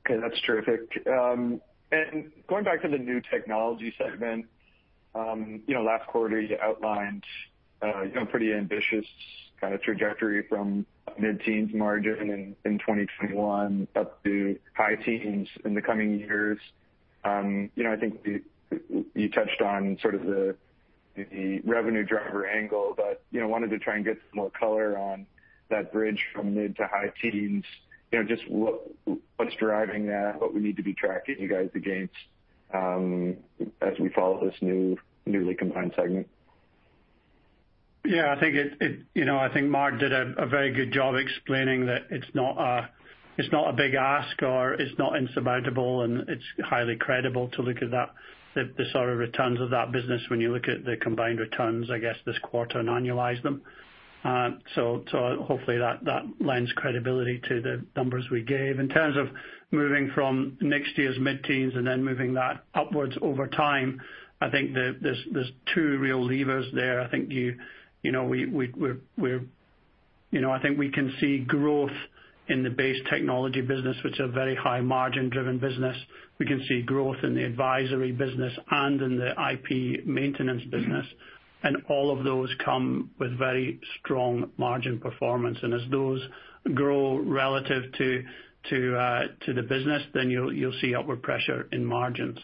That's terrific. Going back to the new technology segment. Last quarter, you outlined a pretty ambitious kind of trajectory from mid-teens margin in 2021 up to high teens in the coming years. I think you touched on sort of the revenue driver angle, but wanted to try and get some more color on that bridge from mid to high teens. Just what's driving that, what we need to be tracking you guys against as we follow this newly combined segment? I think Mark Sopp did a very good job explaining that it's not a big ask or it's not insurmountable, and it's highly credible to look at the sort of returns of that business when you look at the combined returns, I guess, this quarter and annualize them. Hopefully that lends credibility to the numbers we gave. In terms of moving from next year's mid-teens moving that upwards over time, I think there's two real levers there. I think we can see growth in the base technology business, which is a very high margin-driven business. We can see growth in the advisory business and in the IP maintenance business. All of those come with very strong margin performance. As those grow relative to the business, then you'll see upward pressure in margins.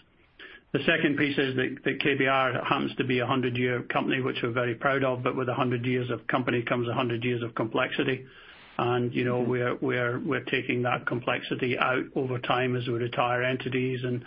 The second piece is that KBR happens to be a 100-year company, which we're very proud of, but with 100 years of company comes 100 years of complexity. We're taking that complexity out over time as we retire entities and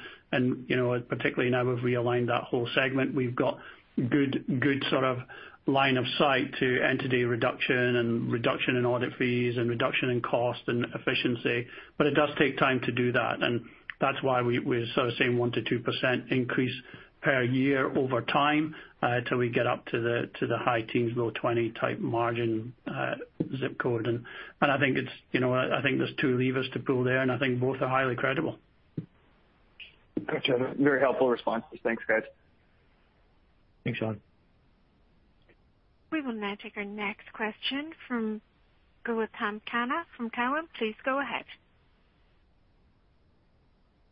particularly now we've realigned that whole segment. We've got good sort of line of sight to entity reduction and reduction in audit fees, and reduction in cost and efficiency. It does take time to do that, and that's why we're sort of seeing 1%-2% increase per year over time, till we get up to the high teens, low 20 type margin ZIP Code. I think there's two levers to pull there, and I think both are highly credible. Got you. Very helpful responses. Thanks, guys. Thanks, Sean. We will now take our next question from Gautam Khanna from Cowen. Please go ahead.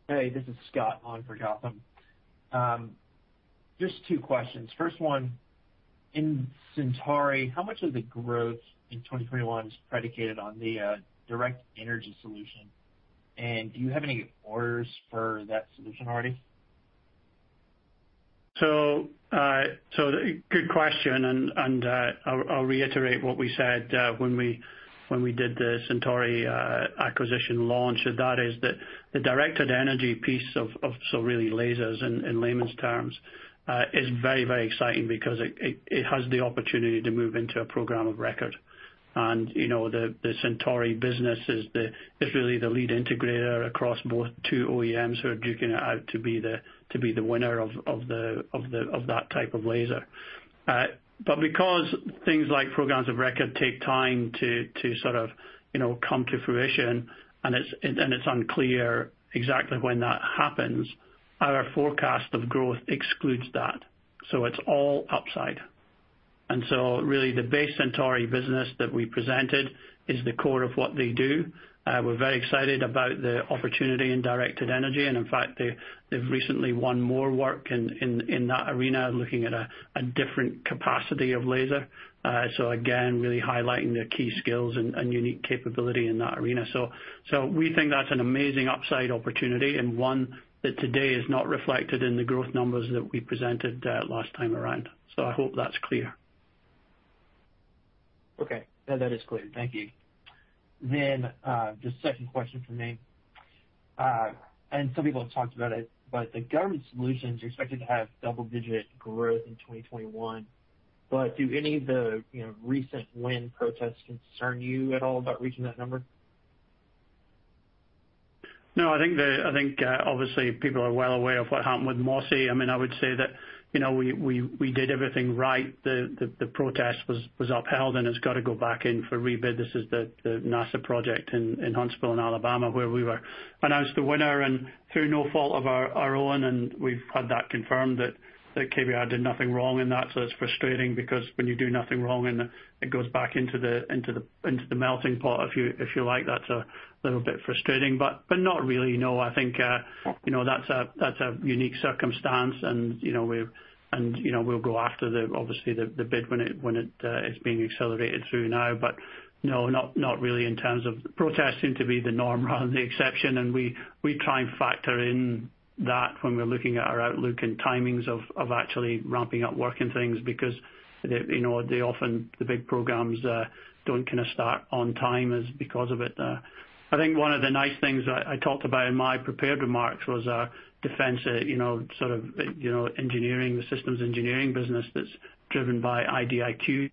Hey, this is Scott on for Gautam. Just two questions. First one, in Centauri, how much of the growth in 2021 is predicated on the directed energy solution, and do you have any orders for that solution already? Good question, and I'll reiterate what we said when we did the Centauri acquisition launch, and that is that the directed energy piece of, really lasers in layman's terms, is very exciting because it has the opportunity to move into a program of record. The Centauri business is really the lead integrator across both two OEMs who are duking it out to be the winner of that type of laser. Because things like programs of record take time to sort of come to fruition, and it's unclear exactly when that happens, our forecast of growth excludes that. It's all upside. Really the base Centauri business that we presented is the core of what they do. We're very excited about the opportunity in directed energy. In fact, they've recently won more work in that arena looking at a different capacity of laser. Again, really highlighting their key skills and unique capability in that arena. We think that's an amazing upside opportunity and one that today is not reflected in the growth numbers that we presented last time around. I hope that's clear. Okay. That is clear. Thank you. The second question from me, and some people have talked about it, the Government Solutions are expected to have double-digit growth in 2021. Do any of the recent win protests concern you at all about reaching that number? I think obviously people are well aware of what happened with MOSI. I would say that we did everything right. The protest was upheld, it's got to go back in for rebid. This is the NASA project in Huntsville, in Alabama, where we were announced the winner through no fault of our own, we've had that confirmed that KBR did nothing wrong in that. It's frustrating because when you do nothing wrong and it goes back into the melting pot, if you like, that's a little bit frustrating, not really. I think that's a unique circumstance, we'll go after obviously the bid when it's being accelerated through now. Not really in terms of protests seem to be the norm rather than the exception. We try and factor in that when we're looking at our outlook and timings of actually ramping up work and things because they often, the big programs don't kind of start on time as because of it. I think one of the nice things I talked about in my prepared remarks was our defense sort of systems engineering business that's driven by IDIQ.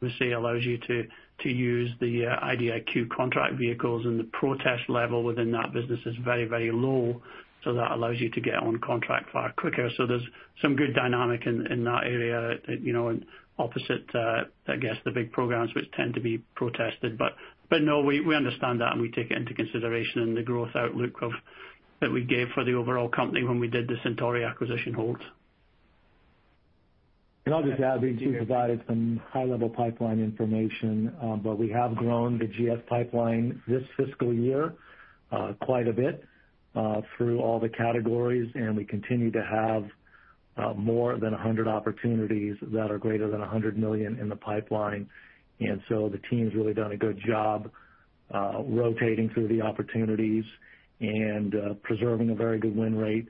Obviously allows you to use the IDIQ contract vehicles and the protest level within that business is very low. That allows you to get on contract far quicker. There's some good dynamic in that area, opposite, I guess the big programs which tend to be protested. We understand that, we take it into consideration in the growth outlook that we gave for the overall company when we did the Centauri acquisition hold. I'll just add, we too provided some high-level pipeline information, we have grown the GS pipeline this fiscal year quite a bit through all the categories, we continue to have more than 100 opportunities that are greater than $100 million in the pipeline. The team's really done a good job rotating through the opportunities and preserving a very good win rate,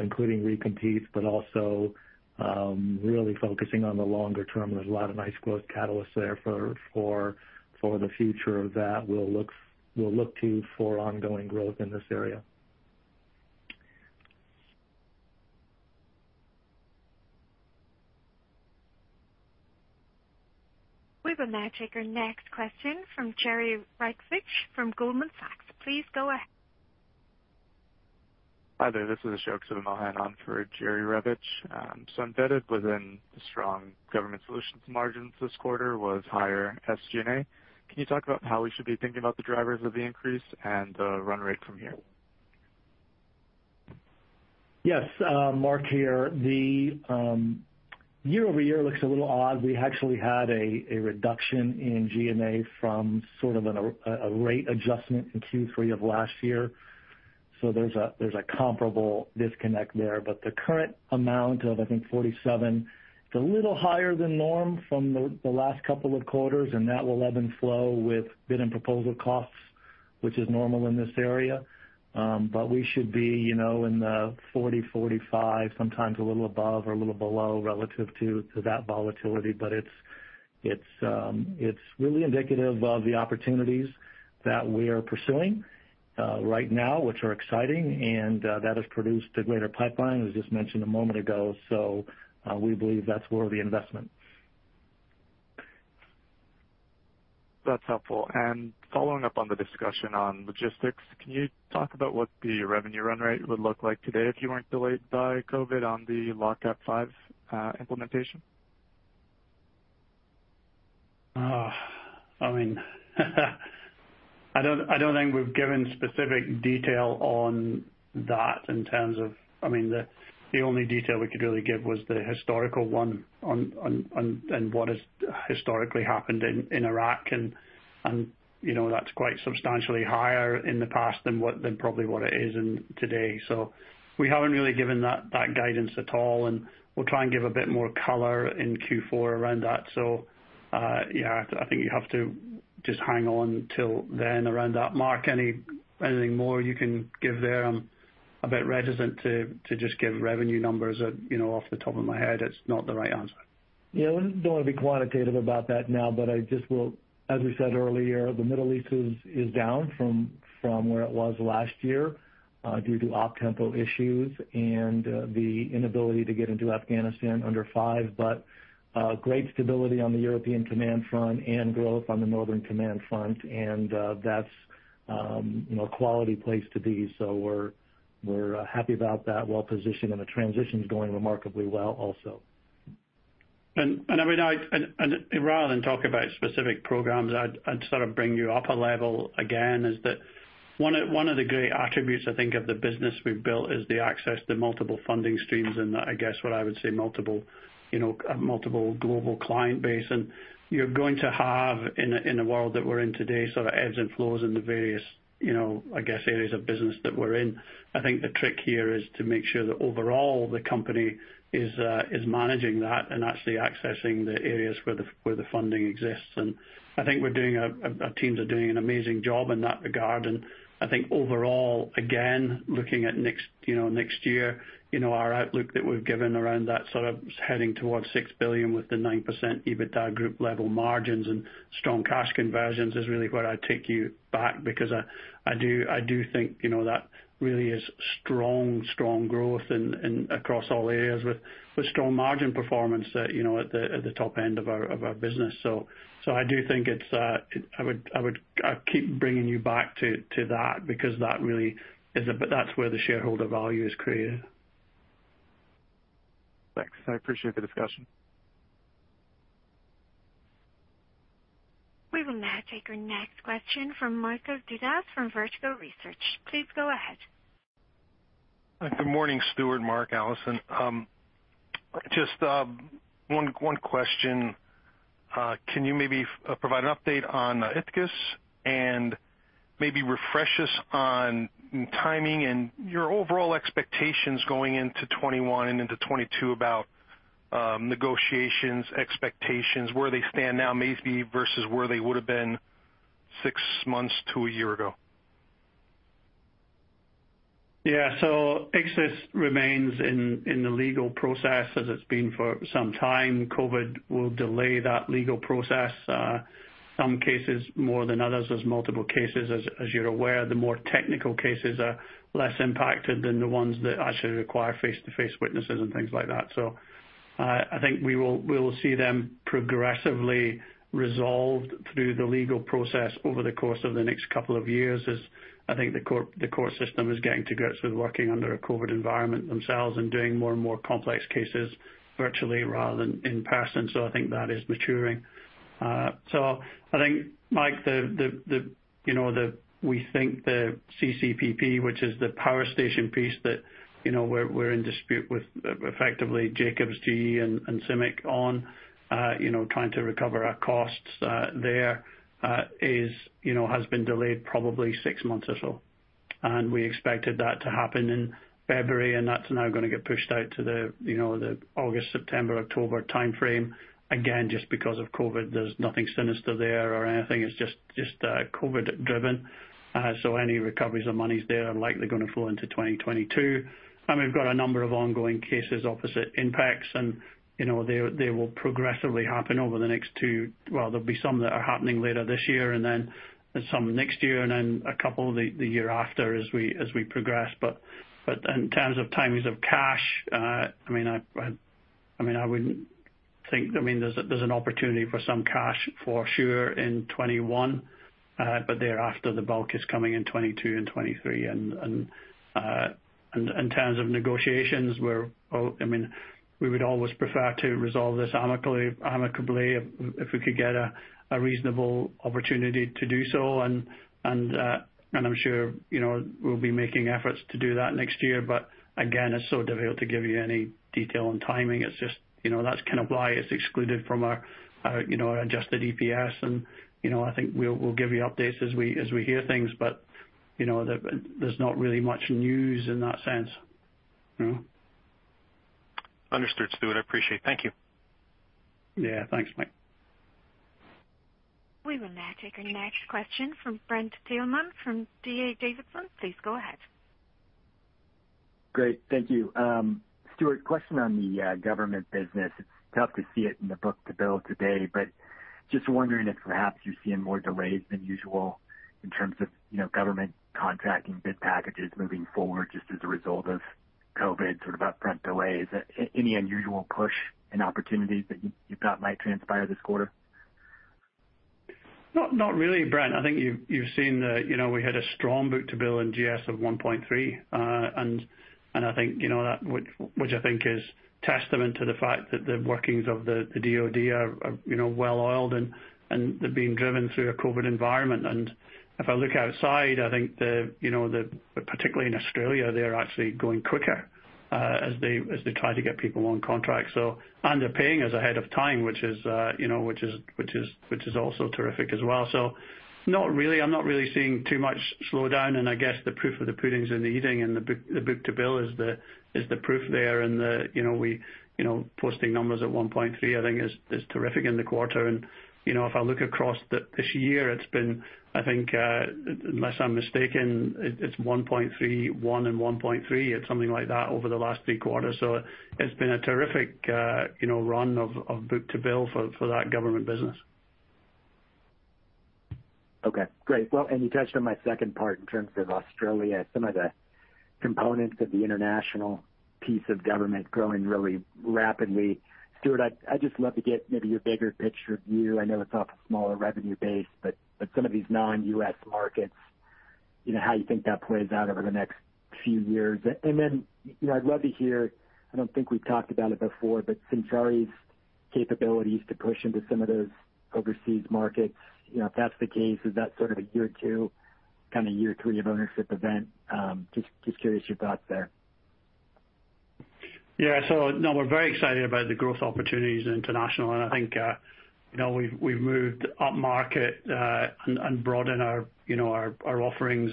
including re-competes, also really focusing on the longer term. There's a lot of nice growth catalysts there for the future that we'll look to for ongoing growth in this area. We will now take our next question from Jerry Revich from Goldman Sachs. Please go ahead. Hi there. This is Ashok Sivamohan for Jerry Revich. Embedded within the strong Government Solutions margins this quarter was higher SG&A. Can you talk about how we should be thinking about the drivers of the increase and the run rate from here? Yes. Mark here. The year-over-year looks a little odd. We actually had a reduction in G&A from sort of a rate adjustment in Q3 of last year. There's a comparable disconnect there. The current amount of, I think, 47, it's a little higher than norm from the last couple of quarters, and that will ebb and flow with bid and proposal costs, which is normal in this area. We should be in the 40, 45, sometimes a little above or a little below relative to that volatility. It's really indicative of the opportunities that we are pursuing right now, which are exciting, and that has produced a greater pipeline, as just mentioned a moment ago. We believe that's worthy investment. That's helpful. Following up on the discussion on logistics, can you talk about what the revenue run rate would look like today if you weren't delayed by COVID on the LOGCAP V implementation? I don't think we've given specific detail on that. The only detail we could really give was the historical one on what has historically happened in Iraq, and that's quite substantially higher in the past than probably what it is in today. We haven't really given that guidance at all, and we'll try and give a bit more color in Q4 around that. Yeah, I think you have to just hang on till then around that. Mark, anything more you can give there? I'm a bit reticent to just give revenue numbers off the top of my head. It's not the right answer. I don't want to be quantitative about that now, but I just will. As we said earlier, the Middle East is down from where it was last year due to OPTEMPO issues and the inability to get into Afghanistan under five. Great stability on the European Command front and growth on the Northern Command front and that's a quality place to be. We're happy about that. Well-positioned, the transition's going remarkably well also. Rather than talk about specific programs, I'd sort of bring you up a level again, is that one of the great attributes, I think, of the business we've built is the access to multiple funding streams and I guess what I would say multiple global client base. You're going to have, in the world that we're in today, sort of ebbs and flows in the various areas of business that we're in. I think the trick here is to make sure that overall the company is managing that and actually accessing the areas where the funding exists. I think our teams are doing an amazing job in that regard. I think overall, again, looking at next year, our outlook that we've given around that sort of heading towards $6 billion with the 9% EBITDA group level margins and strong cash conversions is really where I'd take you back because I do think that really is strong growth across all areas with strong margin performance at the top end of our business. I would keep bringing you back to that because that's where the shareholder value is created. Thanks. I appreciate the discussion. We will now take our next question from Michael Dudas from Vertical Research Partners. Please go ahead. Good morning, Stuart, Mark, Alison. Just one question. Can you maybe provide an update on Ichthys and maybe refresh us on timing and your overall expectations going into 2021 and into 2022 about negotiations, expectations, where they stand now maybe versus where they would have been six months to one year ago? Ichthys remains in the legal process as it's been for some time. COVID will delay that legal process, some cases more than others. There's multiple cases, as you're aware. The more technical cases are less impacted than the ones that actually require face-to-face witnesses and things like that. I think we will see them progressively resolved through the legal process over the course of the next couple of years as I think the court system is getting to grips with working under a COVID environment themselves and doing more and more complex cases virtually rather than in person. I think that is maturing. I think, Mike, we think the CCPP, which is the power station piece that we're in dispute with effectively Jacobs, GE and CIMIC on trying to recover our costs there has been delayed probably six months or so. We expected that to happen in February, and that's now going to get pushed out to the August, September, October timeframe. Again, just because of COVID. There's nothing sinister there or anything. It's just COVID driven. Any recoveries of monies there are likely going to flow into 2022. We've got a number of ongoing cases, opposite impacts, and they will progressively happen. Well, there'll be some that are happening later this year and then some next year and then a couple the year after as we progress. But in terms of timings of cash, I wouldn't think there's an opportunity for some cash for sure in 2021, but thereafter, the bulk is coming in 2022 and 2023. In terms of negotiations, we would always prefer to resolve this amicably, if we could get a reasonable opportunity to do so. I'm sure we'll be making efforts to do that next year. Again, it's so difficult to give you any detail on timing. That's kind of why it's excluded from our adjusted EPS. I think we'll give you updates as we hear things, but there's not really much news in that sense. Understood, Stuart. I appreciate it. Thank you. Yeah. Thanks, Mike. We will now take our next question from Brent Thielman from D.A. Davidson. Please go ahead. Great. Thank you. Stuart, question on the government business. It's tough to see it in the book-to-bill today, but just wondering if perhaps you're seeing more delays than usual in terms of government contracting bid packages moving forward just as a result of COVID, sort of upfront delays. Any unusual push in opportunities that you thought might transpire this quarter? Not really, Brent. I think you've seen that we had a strong book-to-bill in GS of 1.3. Which I think is testament to the fact that the workings of the DoD are well-oiled, and they're being driven through a COVID environment. If I look outside, I think that particularly in Australia, they're actually going quicker, as they try to get people on contract. They're paying us ahead of time, which is also terrific as well. Not really. I'm not really seeing too much slowdown, and I guess the proof of the pudding is in the eating, and the book-to-bill is the proof there. Posting numbers at 1.3, I think, is terrific in the quarter. If I look across this year, it's been, I think, unless I'm mistaken, it's 1.3, 1, and 1.3. It's something like that over the last three quarters. It's been a terrific run of book-to-bill for that government business. Okay, great. Well, you touched on my second part in terms of Australia, some of the components of the international piece of government growing really rapidly. Stuart, I'd just love to get maybe your bigger picture view. I know it's off a smaller revenue base, but some of these non-U.S. markets, how you think that plays out over the next few years. Then, I'd love to hear, I don't think we've talked about it before, but Centauri's capabilities to push into some of those overseas markets. If that's the case, is that sort of a year two, kind of year three of ownership event? Just curious your thoughts there. Yeah. No, we're very excited about the growth opportunities in international, and I think we've moved upmarket, and broadened our offerings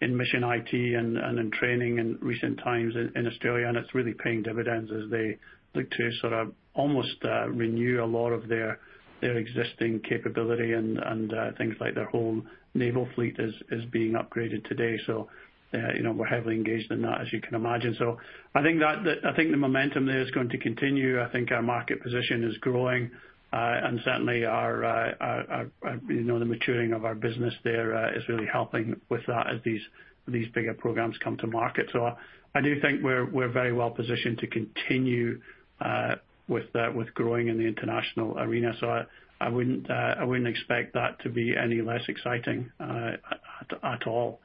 in mission IT and in training in recent times in Australia, and it's really paying dividends as they look to sort of almost renew a lot of their existing capability. Things like their whole naval fleet is being upgraded today. We're heavily engaged in that, as you can imagine. I think the momentum there is going to continue. I think our market position is growing. Certainly the maturing of our business there is really helping with that as these bigger programs come to market. I do think we're very well positioned to continue with growing in the international arena. I wouldn't expect that to be any less exciting at all.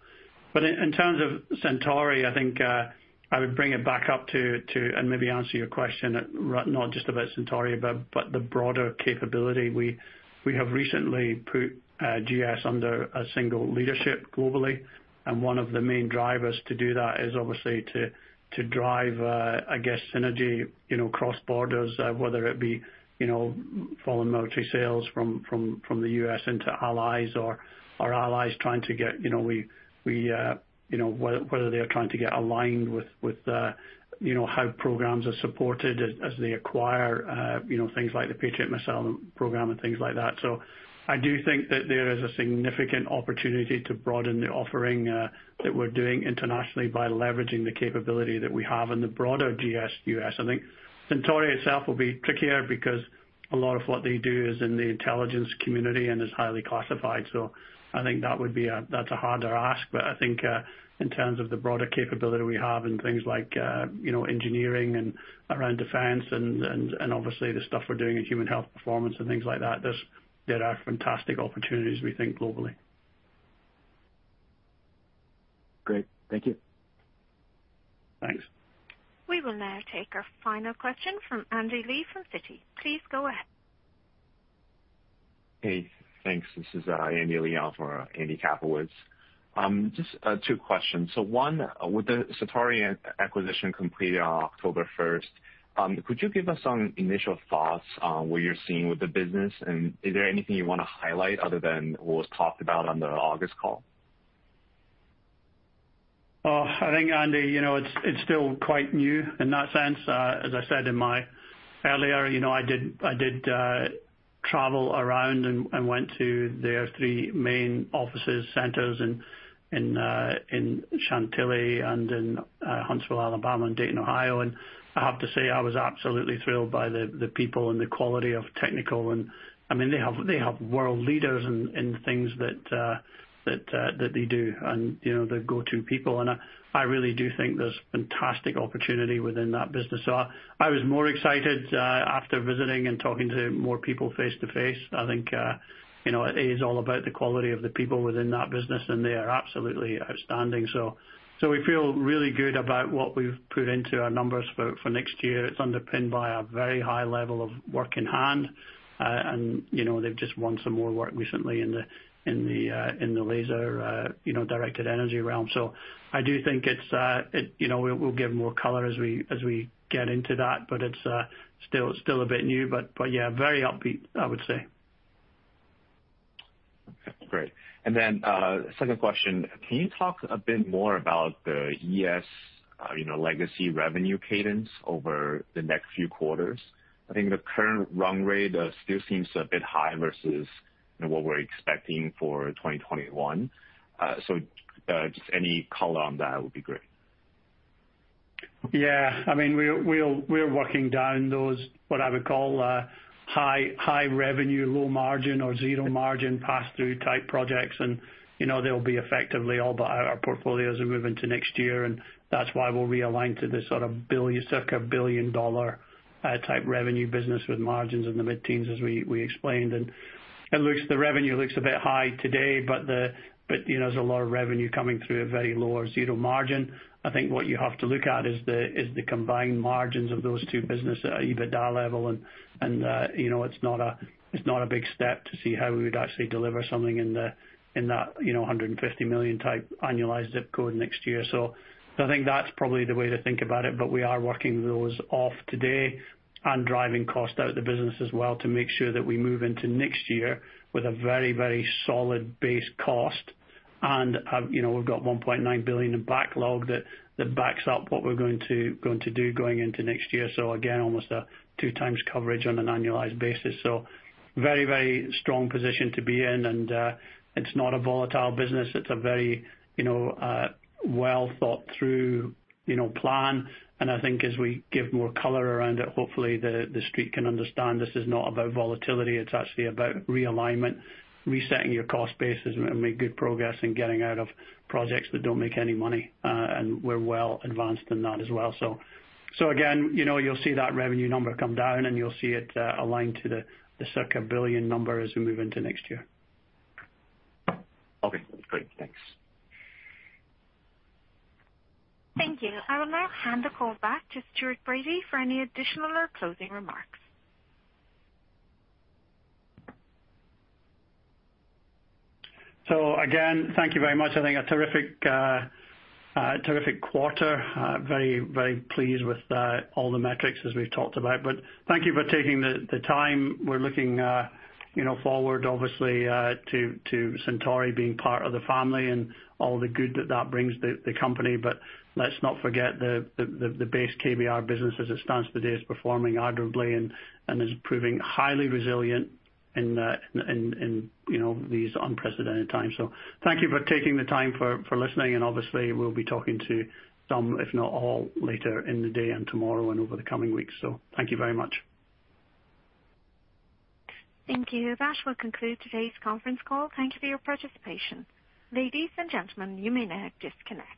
In terms of Centauri, I think I would bring it back up to, and maybe answer your question, not just about Centauri, but the broader capability. We have recently put GS under a single leadership globally, and one of the main drivers to do that is obviously to drive synergy across borders, whether it be foreign military sales from the U.S. into allies or allies, whether they are trying to get aligned with how programs are supported as they acquire things like the Patriot Missile program and things like that. I do think that there is a significant opportunity to broaden the offering that we're doing internationally by leveraging the capability that we have in the broader GS U.S. I think Centauri itself will be trickier because a lot of what they do is in the intelligence community and is highly classified. I think that's a harder ask. I think, in terms of the broader capability we have in things like engineering and around defense and obviously the stuff we're doing in human health performance and things like that, there are fantastic opportunities, we think, globally. Great. Thank you. Thanks. We will now take our final question from Andy Li from Citi. Please go ahead. Hey, thanks. This is Andy Li on for Andy Kaplowitz. Just two questions. One, with the Centauri acquisition completed on October 1st, could you give us some initial thoughts on what you're seeing with the business, and is there anything you want to highlight other than what was talked about on the August call? I think, Andy, it's still quite new in that sense. As I said earlier, I did travel around and went to their three main office centers in Chantilly and in Huntsville, Alabama, and Dayton, Ohio. I have to say, I was absolutely thrilled by the people and the quality of technical. They have world leaders in things that they do, and they're go-to people. I really do think there's fantastic opportunity within that business. I was more excited after visiting and talking to more people face-to-face. I think it is all about the quality of the people within that business, and they are absolutely outstanding. We feel really good about what we've put into our numbers for next year. It's underpinned by a very high level of work in hand. They've just won some more work recently in the laser directed energy realm. I do think we'll give more color as we get into that, but it's still a bit new. Yeah, very upbeat, I would say. Okay, great. Second question, can you talk a bit more about the ES legacy revenue cadence over the next few quarters? I think the current run rate still seems a bit high versus what we're expecting for 2021. Just any color on that would be great. Yeah. We're working down those, what I would call high revenue, low margin or zero-margin pass-through type projects, and they'll be effectively all but out of our portfolios as we move into next year. That's why we'll realign to this sort of circa billion-dollar type revenue business with margins in the mid-teens as we explained. The revenue looks a bit high today, but there's a lot of revenue coming through at very low or zero margin. I think what you have to look at is the combined margins of those two businesses at an EBITDA level. It's not a big step to see how we would actually deliver something in that $150 million type annualized ZIP Code next year. I think that's probably the way to think about it, but we are working those off today and driving cost out of the business as well to make sure that we move into next year with a very solid base cost. We've got $1.9 billion in backlog that backs up what we're going to do going into next year. Again, almost a two times coverage on an annualized basis. Very strong position to be in. It's not a volatile business. It's a very well-thought-through plan. I think as we give more color around it, hopefully the street can understand this is not about volatility, it's actually about realignment, resetting your cost base and make good progress in getting out of projects that don't make any money. We're well advanced in that as well. Again, you'll see that revenue number come down, and you'll see it align to the circa billion number as we move into next year. Okay, great. Thanks. Thank you. I will now hand the call back to Stuart Bradie for any additional or closing remarks. Again, thank you very much. I think a terrific quarter. Very pleased with all the metrics as we've talked about. Thank you for taking the time. We're looking forward obviously to Centauri being part of the family and all the good that that brings the company. Let's not forget the base KBR business as it stands today is performing admirably and is proving highly resilient in these unprecedented times. Thank you for taking the time for listening, and obviously we'll be talking to some, if not all, later in the day and tomorrow and over the coming weeks. Thank you very much. Thank you. That will conclude today's conference call. Thank you for your participation. Ladies and gentlemen, you may now disconnect.